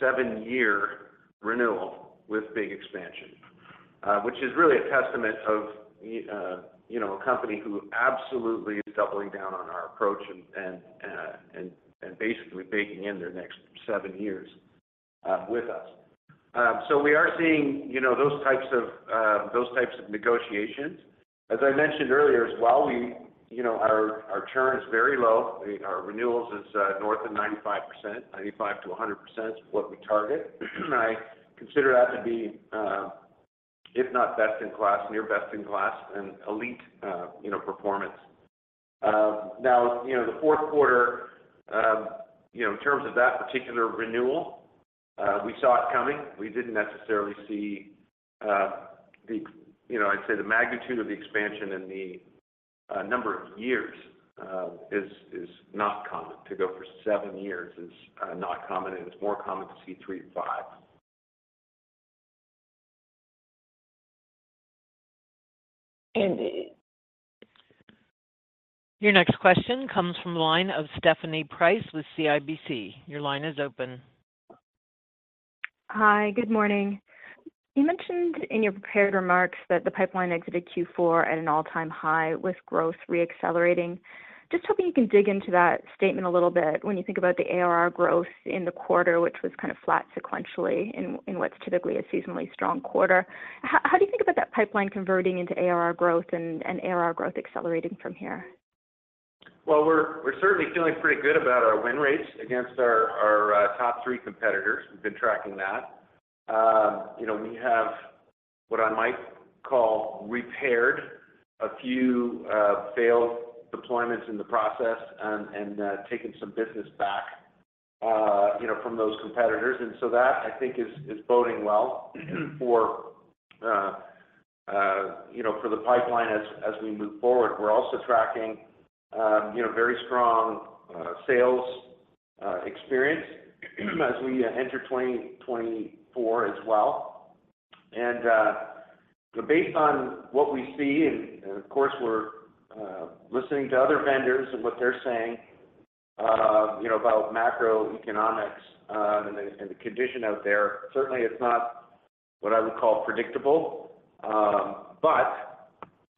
seven year renewal with big expansion, which is really a testament of a company who absolutely is doubling down on our approach and basically baking in their next seven years with us. So we are seeing those types of negotiations. As I mentioned earlier as well, our churn is very low. Our renewals is north of 95%, 95%-100%, what we target. And I consider that to be, if not best in class, near best in class, an elite performance. Now, the fourth quarter, in terms of that particular renewal, we saw it coming. We didn't necessarily see the, I'd say, the magnitude of the expansion and the number of years is not common. To go for seven years is not common, and it's more common to see three to five. Your next question comes from the line of Stephanie Price with CIBC. Your line is open. Hi, good morning. You mentioned in your prepared remarks that the pipeline exited Q4 at an all-time high with growth reaccelerating. Just hoping you can dig into that statement a little bit. When you think about the ARR growth in the quarter, which was kind of flat sequentially in what's typically a seasonally strong quarter, how do you think about that pipeline converting into ARR growth and ARR growth accelerating from here? Well, we're certainly feeling pretty good about our win rates against our top three competitors. We've been tracking that. We have what I might call repaired a few failed deployments in the process and taken some business back from those competitors. And so that, I think, is boding well for the pipeline as we move forward. We're also tracking very strong sales experience as we enter 2024 as well. And based on what we see and, of course, we're listening to other vendors and what they're saying about macroeconomics and the condition out there, certainly, it's not what I would call predictable. But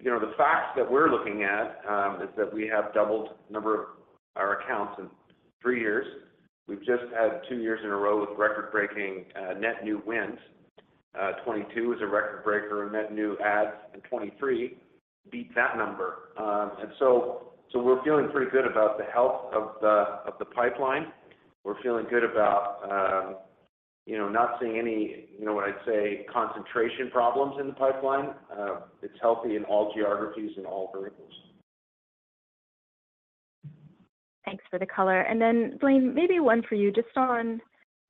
the facts that we're looking at is that we have doubled the number of our accounts in three years. We've just had two years in a row with record-breaking net new wins. 2022 is a record-breaker in net new adds, and 2023 beat that number. And so we're feeling pretty good about the health of the pipeline. We're feeling good about not seeing any, what I'd say, concentration problems in the pipeline. It's healthy in all geographies and all variables. Thanks for the color. Then, Blaine, maybe one for you just on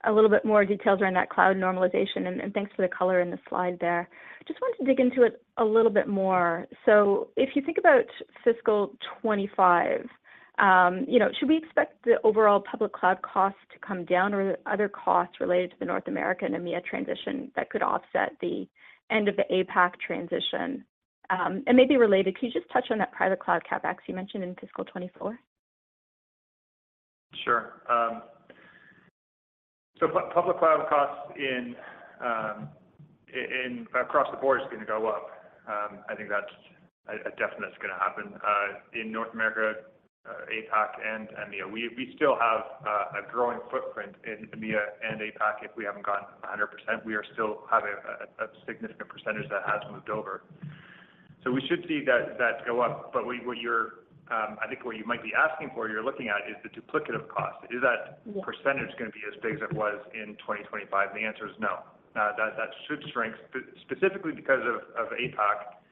a little bit more details around that cloud normalization. And thanks for the color in the slide there. Just want to dig into it a little bit more. So if you think about fiscal 2025, should we expect the overall public cloud cost to come down or other costs related to the North America and EMEA transition that could offset the end of the APAC transition? And maybe related, can you just touch on that private cloud CapEx you mentioned in fiscal 2024? Sure. So public cloud costs across the board is going to go up. I think that's a definite that's going to happen. In North America, APAC and EMEA, we still have a growing footprint in EMEA and APAC. If we haven't gotten 100%, we still have a significant percentage that has moved over. So we should see that go up. But I think what you might be asking for, you're looking at, is the duplicative cost. Is that percentage going to be as big as it was in 2025? And the answer is no. That should shrink specifically because of APAC,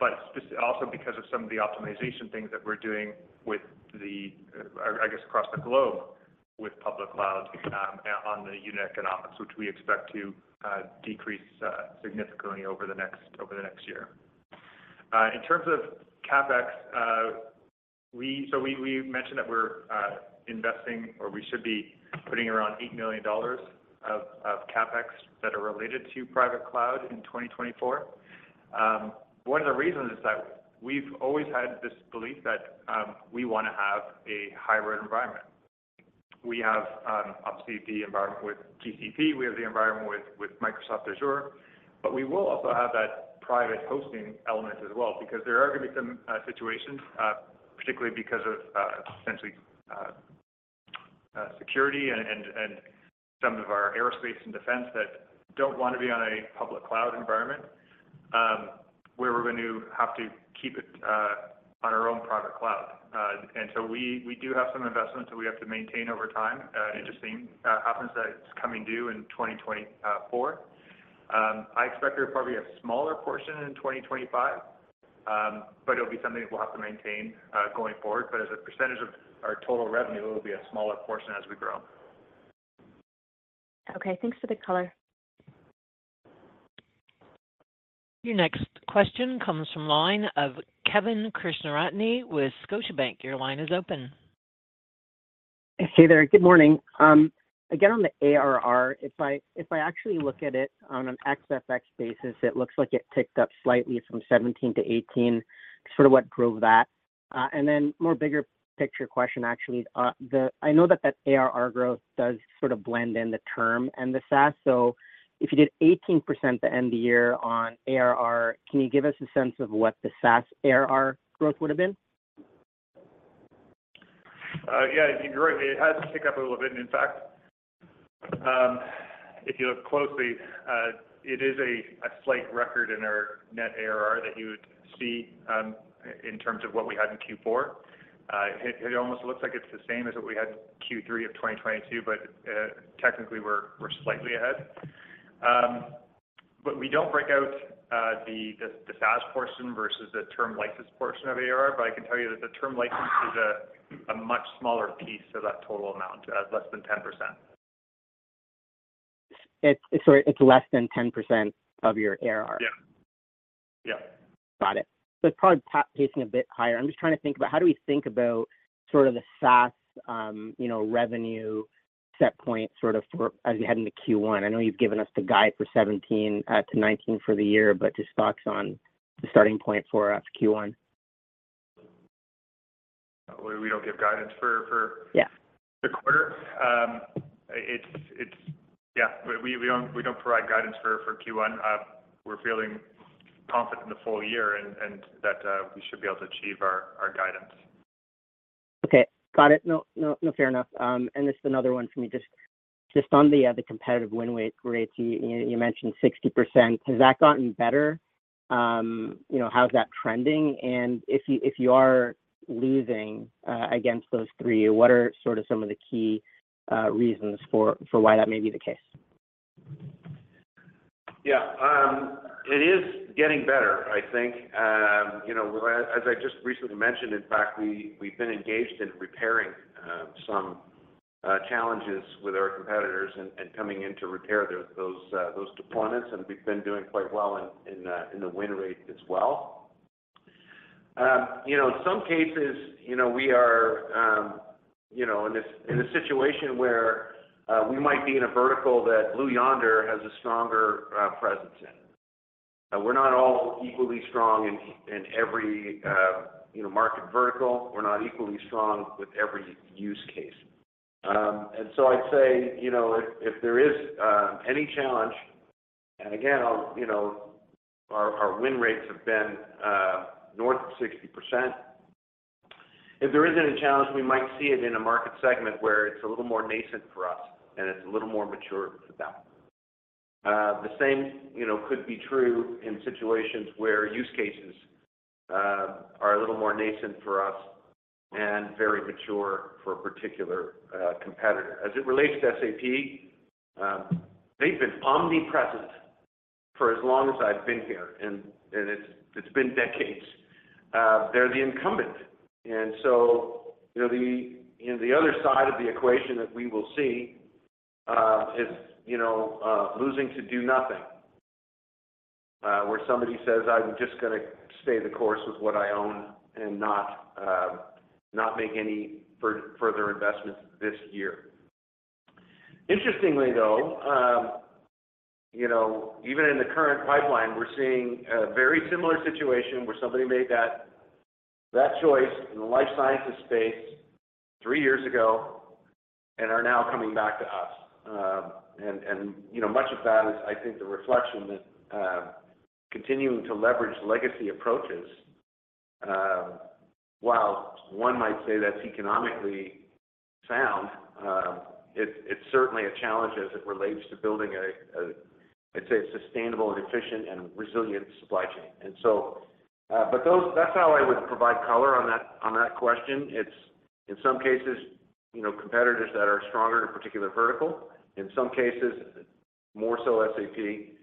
but also because of some of the optimization things that we're doing with the, I guess, across the globe with public cloud on the unit economics, which we expect to decrease significantly over the next year. In terms of CapEx, so we mentioned that we're investing or we should be putting around $8 million of CapEx that are related to private cloud in 2024. One of the reasons is that we've always had this belief that we want to have a hybrid environment. We have, obviously, the environment with GCP. We have the environment with Microsoft Azure. But we will also have that private hosting element as well because there are going to be some situations, particularly because of essentially security and some of our aerospace and defense that don't want to be on a public cloud environment where we're going to have to keep it on our own private cloud. And so we do have some investments that we have to maintain over time. It just so happens that it's coming due in 2024. I expect there will probably be a smaller portion in 2025, but it'll be something that we'll have to maintain going forward. But as a percentage of our total revenue, it'll be a smaller portion as we grow. Okay, thanks for the color. Your next question comes from the line of Kevin Krishnaratne with Scotiabank. Your line is open. Hey there. Good morning. Again, on the ARR, if I actually look at it on an ex-FX basis, it looks like it ticked up slightly from 17%-18%. It's sort of what drove that. And then more bigger picture question, actually. I know that that ARR growth does sort of blend in the term and the SaaS. So if you did 18% at the end of the year on ARR, can you give us a sense of what the SaaS ARR growth would have been? Yeah, you're right. It has picked up a little bit, in fact. If you look closely, it is a slight record in our net ARR that you would see in terms of what we had in Q4. It almost looks like it's the same as what we had in Q3 of 2022, but technically, we're slightly ahead. But we don't break out the SaaS portion versus the term license portion of ARR. But I can tell you that the term license is a much smaller piece of that total amount, less than 10%. Sorry, it's less than 10% of your ARR? Yeah. Yeah. Got it. So it's probably pacing a bit higher. I'm just trying to think about how do we think about sort of the SaaS revenue setpoint sort of as we head into Q1? I know you've given us the guide for 17-19 for the year, but just thoughts on the starting point for us Q1? We don't give guidance for the quarter. Yeah, we don't provide guidance for Q1. We're feeling confident in the full year and that we should be able to achieve our guidance. Okay, got it. No, fair enough. Just another one for me, just on the competitive win rates, you mentioned 60%. Has that gotten better? How's that trending? And if you are losing against those three, what are sort of some of the key reasons for why that may be the case? Yeah, it is getting better, I think. As I just recently mentioned, in fact, we've been engaged in repairing some challenges with our competitors and coming in to repair those deployments. We've been doing quite well in the win rate as well. In some cases, we are in a situation where we might be in a vertical that Blue Yonder has a stronger presence in. We're not all equally strong in every market vertical. We're not equally strong with every use case. So I'd say if there is any challenge and again, our win rates have been north of 60%. If there isn't a challenge, we might see it in a market segment where it's a little more nascent for us, and it's a little more mature for them. The same could be true in situations where use cases are a little more nascent for us and very mature for a particular competitor. As it relates to SAP, they've been omnipresent for as long as I've been here, and it's been decades. They're the incumbent. And so the other side of the equation that we will see is losing to do nothing where somebody says, "I'm just going to stay the course with what I own and not make any further investments this year." Interestingly, though, even in the current pipeline, we're seeing a very similar situation where somebody made that choice in the life sciences space three years ago and are now coming back to us. And much of that is, I think, the reflection that continuing to leverage legacy approaches. While one might say that's economically sound, it's certainly a challenge as it relates to building, I'd say, a sustainable and efficient and resilient supply chain. But that's how I would provide color on that question. In some cases, competitors that are stronger in a particular vertical. In some cases, more so SAP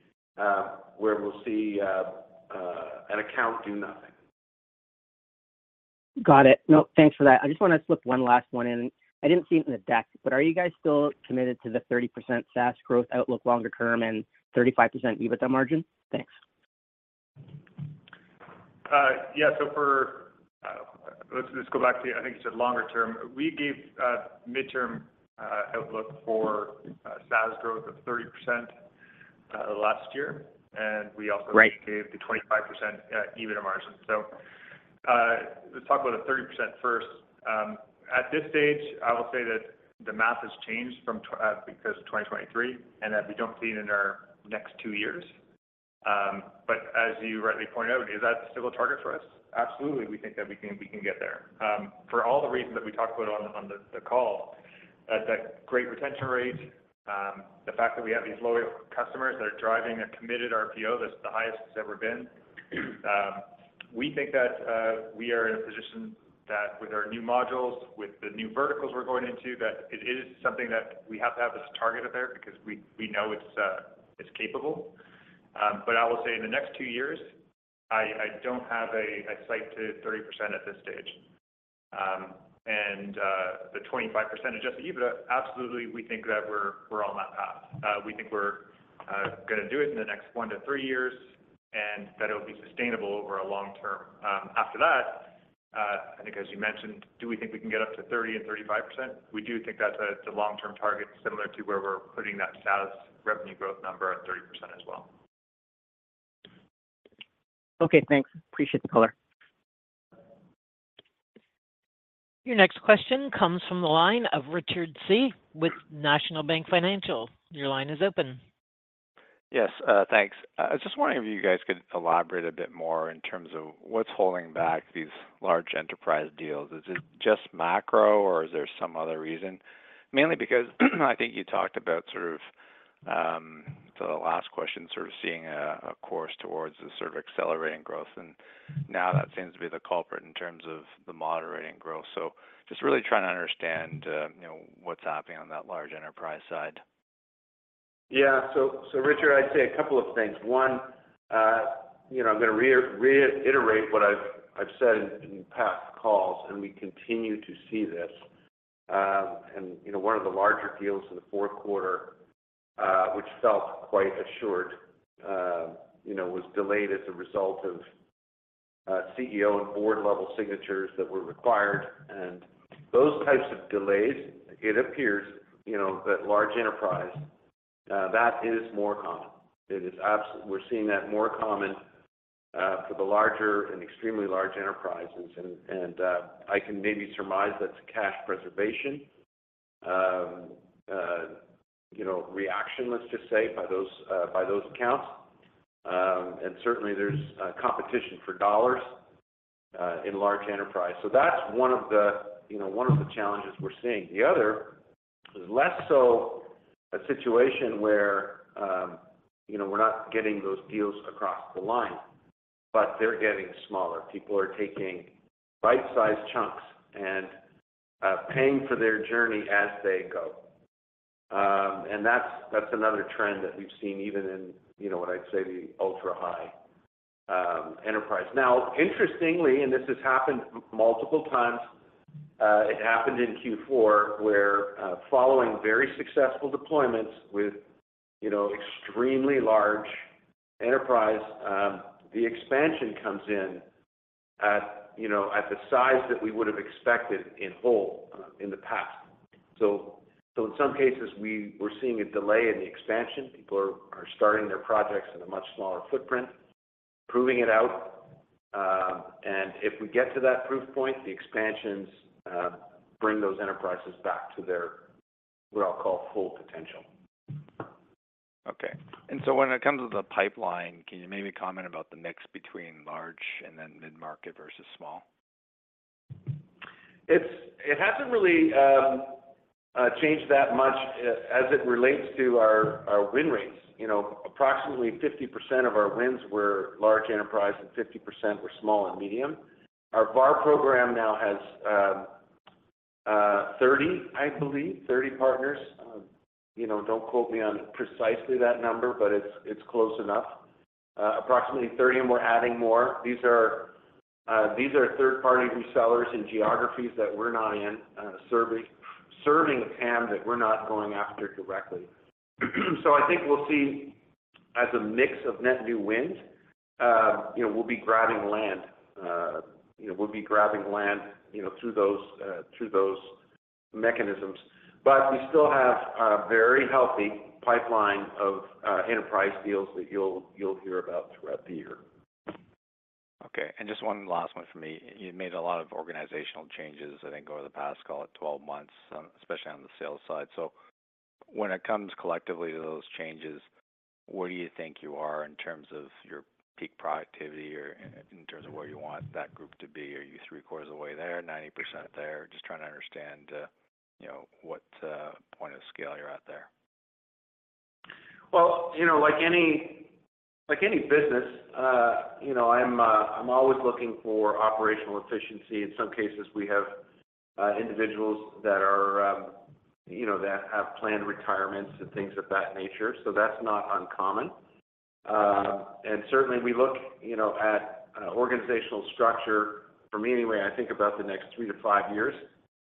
where we'll see an account do nothing. Got it. No, thanks for that. I just want to slip one last one in. I didn't see it in the deck, but are you guys still committed to the 30% SaaS growth outlook longer term and 35% EBITDA margin? Thanks. Yeah, so, let's go back to. I think you said longer term. We gave midterm outlook for SaaS growth of 30% last year, and we also gave the 25% EBITDA margin. So let's talk about the 30% first. At this stage, I will say that the math has changed because of 2023 and that we don't see it in our next two years. But as you rightly point out, is that still a target for us? Absolutely. We think that we can get there. For all the reasons that we talked about on the call, that great retention rate, the fact that we have these loyal customers that are driving a committed RPO that's the highest it's ever been, we think that we are in a position that with our new modules, with the new verticals we're going into, that it is something that we have to have as a target out there because we know it's capable. But I will say in the next two years, I don't have a sight to 30% at this stage. And the 25% adjusted EBITDA, absolutely, we think that we're on that path. We think we're going to do it in the next one to three years and that it'll be sustainable over a long term. After that, I think, as you mentioned, do we think we can get up to 30% and 35%? We do think that's a long-term target similar to where we're putting that SaaS revenue growth number at 30% as well. Okay, thanks. Appreciate the color. Your next question comes from the line of Richard Tse with National Bank Financial. Your line is open. Yes, thanks. I was just wondering if you guys could elaborate a bit more in terms of what's holding back these large enterprise deals. Is it just macro, or is there some other reason? Mainly because I think you talked about sort of, it's the last question, sort of seeing a course towards sort of accelerating growth. And now that seems to be the culprit in terms of the moderating growth. So just really trying to understand what's happening on that large enterprise side. Yeah, so Richard, I'd say a couple of things. One, I'm going to reiterate what I've said in past calls, and we continue to see this. One of the larger deals in the fourth quarter, which felt quite assured, was delayed as a result of CEO and board-level signatures that were required. Those types of delays, it appears that large enterprise, that is more common. We're seeing that more common for the larger and extremely large enterprises. I can maybe surmise that's cash preservation reaction, let's just say, by those accounts. Certainly, there's competition for dollars in large enterprise. So that's one of the challenges we're seeing. The other is less so a situation where we're not getting those deals across the line, but they're getting smaller. People are taking bite-sized chunks and paying for their journey as they go. That's another trend that we've seen even in what I'd say the ultra-high enterprise. Now, interestingly, and this has happened multiple times, it happened in Q4 where following very successful deployments with extremely large enterprise, the expansion comes in at the size that we would have expected in whole in the past. So in some cases, we're seeing a delay in the expansion. People are starting their projects in a much smaller footprint, proving it out. And if we get to that proof point, the expansions bring those enterprises back to their, what I'll call, full potential. Okay. When it comes to the pipeline, can you maybe comment about the mix between large and then mid-market versus small? It hasn't really changed that much as it relates to our win rates. Approximately 50% of our wins were large enterprise and 50% were small and medium. Our VAR program now has 30, I believe, 30 partners. Don't quote me on precisely that number, but it's close enough. Approximately 30, and we're adding more. These are third-party resellers in geographies that we're not in, serving a TAM that we're not going after directly. So I think we'll see, as a mix of net new wins, we'll be grabbing land. We'll be grabbing land through those mechanisms. But we still have a very healthy pipeline of enterprise deals that you'll hear about throughout the year. Okay. Just one last one for me. You've made a lot of organizational changes, I think, over the past, call it 12 months, especially on the sales side. When it comes collectively to those changes, where do you think you are in terms of your peak productivity or in terms of where you want that group to be? Are you three-quarters of the way there, 90% there? Just trying to understand what point of scale you're at there? Well, like any business, I'm always looking for operational efficiency. In some cases, we have individuals that have planned retirements and things of that nature. So that's not uncommon. And certainly, we look at organizational structure. For me anyway, I think about the next three to five years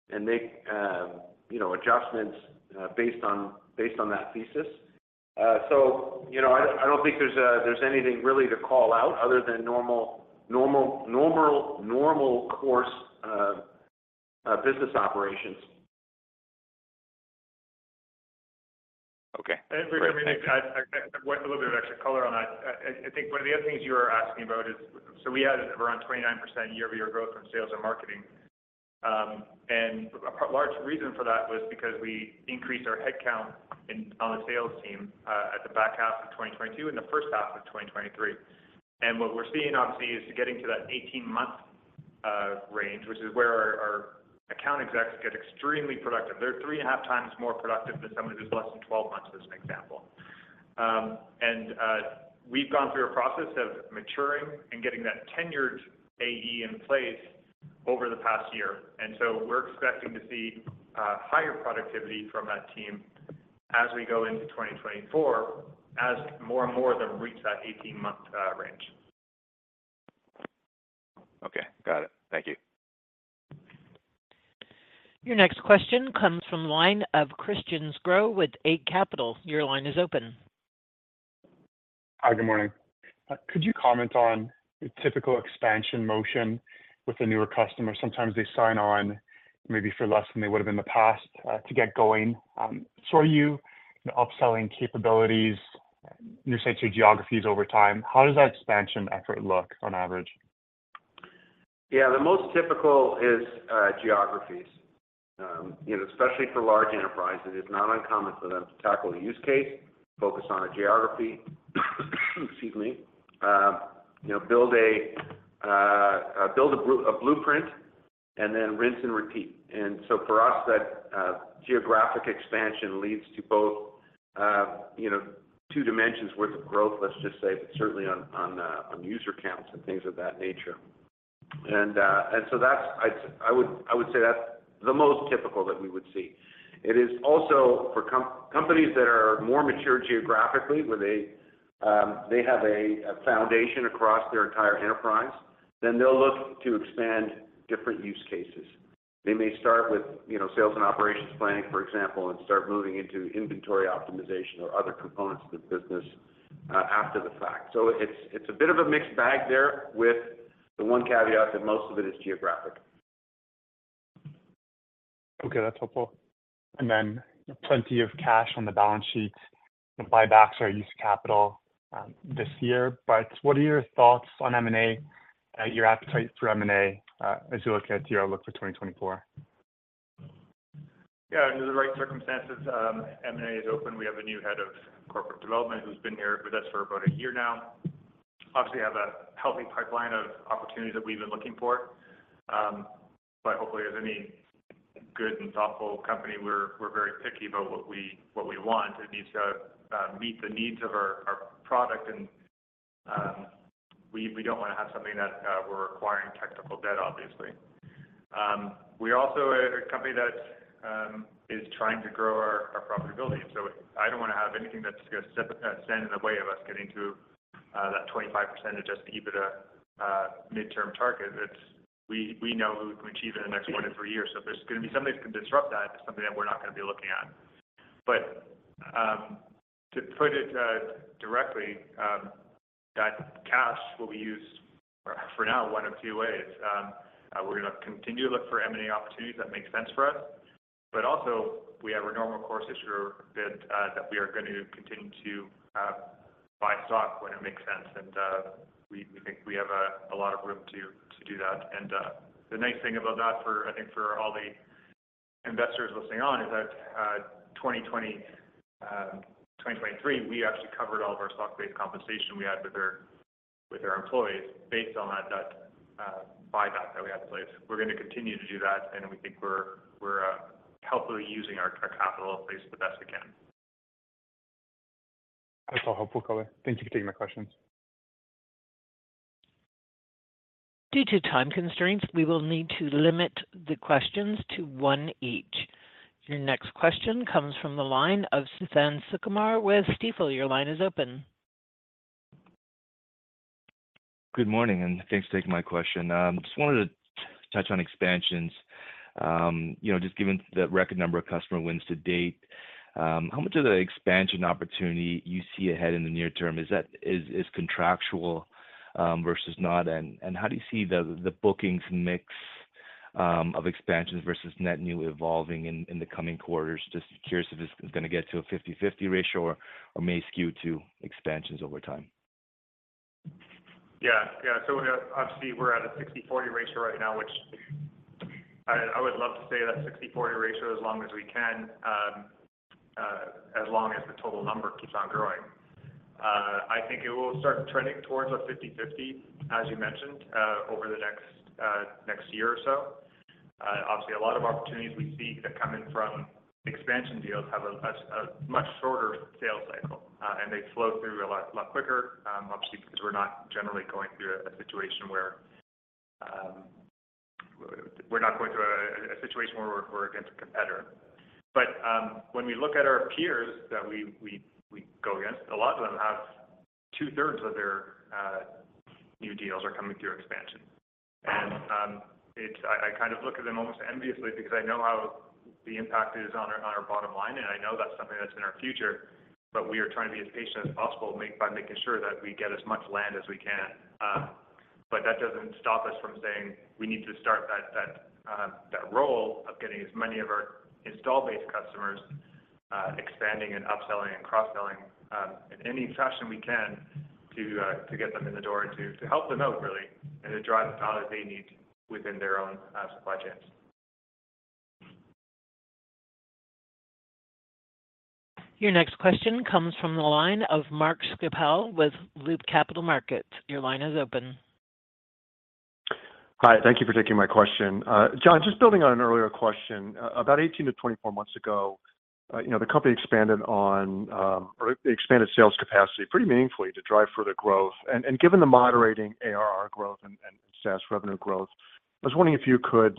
and make adjustments based on that thesis. So I don't think there's anything really to call out other than normal course business operations. Okay. Richard, maybe a little bit of extra color on that. I think one of the other things you were asking about is so we had around 29% year-over-year growth from sales and marketing. A large reason for that was because we increased our headcount on the sales team at the back half of 2022 and the first half of 2023. What we're seeing, obviously, is getting to that 18-month range, which is where our account execs get extremely productive. They're 3.5x more productive than someone who's less than 12 months, as an example. We've gone through a process of maturing and getting that tenured AE in place over the past year. We're expecting to see higher productivity from that team as we go into 2024, as more and more of them reach that 18-month range. Okay, got it. Thank you. Your next question comes from the line of Christian Sgro with Eight Capital. Your line is open. Hi, good morning. Could you comment on the typical expansion motion with a newer customer? Sometimes they sign on maybe for less than they would have in the past to get going. So are you upselling capabilities, new sites or geographies over time? How does that expansion effort look on average? Yeah, the most typical is geographies. Especially for large enterprises, it's not uncommon for them to tackle a use case, focus on a geography, excuse me, build a blueprint and then rinse and repeat. And so for us, that geographic expansion leads to both two dimensions' worth of growth, let's just say, but certainly on user counts and things of that nature. And so I would say that's the most typical that we would see. It is also for companies that are more mature geographically, where they have a foundation across their entire enterprise, then they'll look to expand different use cases. They may start with sales and operations planning, for example, and start moving into inventory optimization or other components of the business after the fact. So it's a bit of a mixed bag there with the one caveat that most of it is geographic. Okay, that's helpful. And then plenty of cash on the balance sheet, buybacks or use capital this year. But what are your thoughts on M&A, your appetite for M&A as you look at your outlook for 2024? Yeah, under the right circumstances, M&A is open. We have a new head of corporate development who's been here with us for about a year now. Obviously, we have a healthy pipeline of opportunities that we've been looking for. But hopefully, as any good and thoughtful company, we're very picky about what we want. It needs to meet the needs of our product, and we don't want to have something that we're requiring technical debt, obviously. We're also a company that is trying to grow our profitability. So I don't want to have anything that's going to stand in the way of us getting to that 25% Adjusted EBITDA midterm target. We know we can achieve it in the next one to three years. So if there's going to be something that's going to disrupt that, it's something that we're not going to be looking at. But to put it directly, that cash will be used for now one of two ways. We're going to continue to look for M&A opportunities that make sense for us. But also, we have a normal course issuer bid that we are going to continue to buy stock when it makes sense. And we think we have a lot of room to do that. And the nice thing about that, I think, for all the investors listening on is that 2023, we actually covered all of our stock-based compensation we had with our employees based on that buyback that we had in place. We're going to continue to do that, and we think we're healthily using our capital in place the best we can. That's all helpful color. Thank you for taking my questions. Due to time constraints, we will need to limit the questions to one each. Your next question comes from the line of Suthan Sukumar with Stifel. Your line is open. Good morning, and thanks for taking my question. I just wanted to touch on expansions. Just given the record number of customer wins to date, how much of the expansion opportunity you see ahead in the near term, is contractual versus not? And how do you see the bookings mix of expansions versus net new evolving in the coming quarters? Just curious if it's going to get to a 50/50 ratio or may skew to expansions over time. Yeah, yeah. So obviously, we're at a 60/40 ratio right now, which I would love to stay at that 60/40 ratio as long as we can, as long as the total number keeps on growing. I think it will start trending towards a 50/50, as you mentioned, over the next year or so. Obviously, a lot of opportunities we see that come in from expansion deals have a much shorter sales cycle, and they flow through a lot quicker, obviously, because we're not generally going through a situation where we're against a competitor. But when we look at our peers that we go against, a lot of them have 2/3 of their new deals are coming through expansion. I kind of look at them almost enviously because I know how the impact is on our bottom line, and I know that's something that's in our future. We are trying to be as patient as possible by making sure that we get as much land as we can. That doesn't stop us from saying we need to start that role of getting as many of our install-based customers expanding and upselling and cross-selling in any fashion we can to get them in the door and to help them out, really, and to drive the value they need within their own supply chains. Your next question comes from the line of Mark Schappel with Loop Capital Markets. Your line is open. Hi, thank you for taking my question. John, just building on an earlier question, about 18-24 months ago, the company expanded on or expanded sales capacity pretty meaningfully to drive further growth. Given the moderating ARR growth and SaaS revenue growth, I was wondering if you could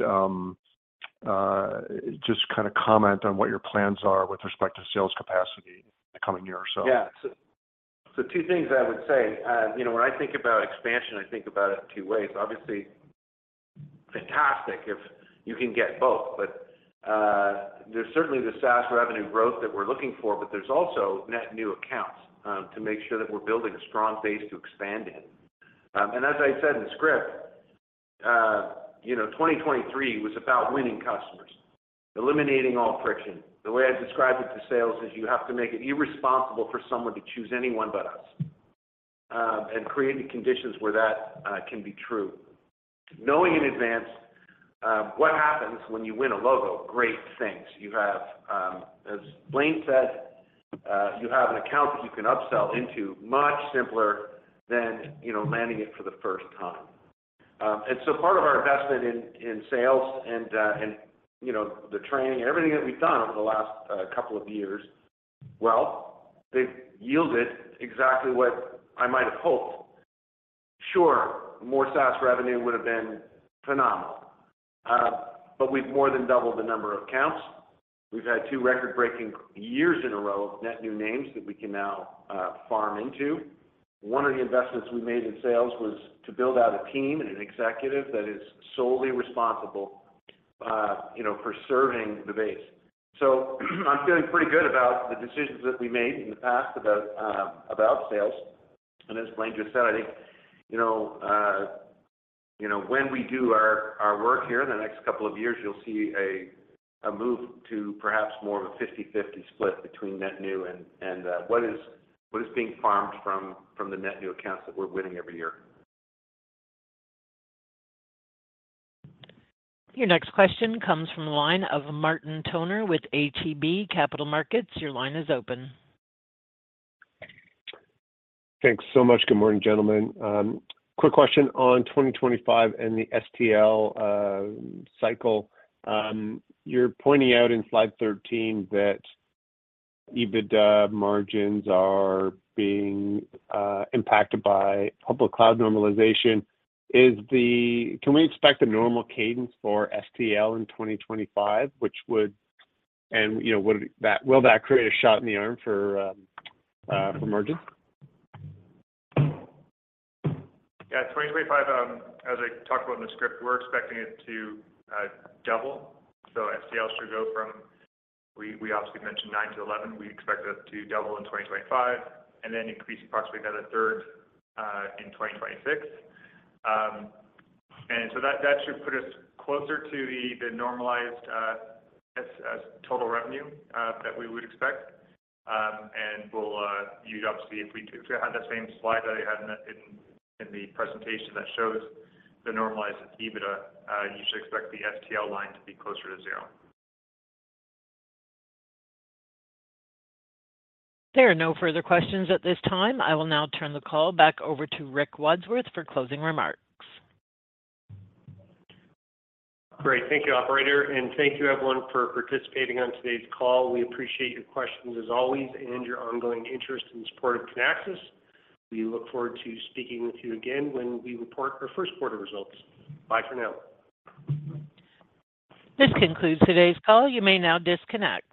just kind of comment on what your plans are with respect to sales capacity in the coming year or so. Yeah. Two things I would say. When I think about expansion, I think about it two ways. Obviously, fantastic if you can get both. There's certainly the SaaS revenue growth that we're looking for, but there's also net new accounts to make sure that we're building a strong base to expand in. As I said in the script, 2023 was about winning customers, eliminating all friction. The way I describe it to sales is you have to make it irresponsible for someone to choose anyone but us and create the conditions where that can be true. Knowing in advance what happens when you win a logo, great things. As Blaine said, you have an account that you can upsell into much simpler than landing it for the first time. And so part of our investment in sales and the training and everything that we've done over the last couple of years, well, they've yielded exactly what I might have hoped. Sure, more SaaS revenue would have been phenomenal. But we've more than doubled the number of counts. We've had two record-breaking years in a row of net new names that we can now farm into. One of the investments we made in sales was to build out a team and an executive that is solely responsible for serving the base. So I'm feeling pretty good about the decisions that we made in the past about sales. As Blaine just said, I think when we do our work here in the next couple of years, you'll see a move to perhaps more of a 50/50 split between net new and what is being farmed from the net new accounts that we're winning every year. Your next question comes from the line of Martin Toner with ATB Capital Markets. Your line is open. Thanks so much. Good morning, gentlemen. Quick question on 2025 and the STL cycle. You're pointing out in slide 13 that EBITDA margins are being impacted by public cloud normalization. Can we expect a normal cadence for STL in 2025, which would and will that create a shot in the arm for margins? Yeah, 2025, as I talked about in the script, we're expecting it to double. So STL should go from, we obviously mentioned, 9-11. We expect it to double in 2025 and then increase approximately another third in 2026. And so that should put us closer to the normalized total revenue that we would expect. And we'll obviously see if we had that same slide that I had in the presentation that shows the normalized EBITDA, you should expect the STL line to be closer to zero. There are no further questions at this time. I will now turn the call back over to Rick Wadsworth for closing remarks. Great. Thank you, operator. Thank you, everyone, for participating on today's call. We appreciate your questions as always and your ongoing interest and support of Kinaxis. We look forward to speaking with you again when we report our first quarter results. Bye for now. This concludes today's call. You may now disconnect.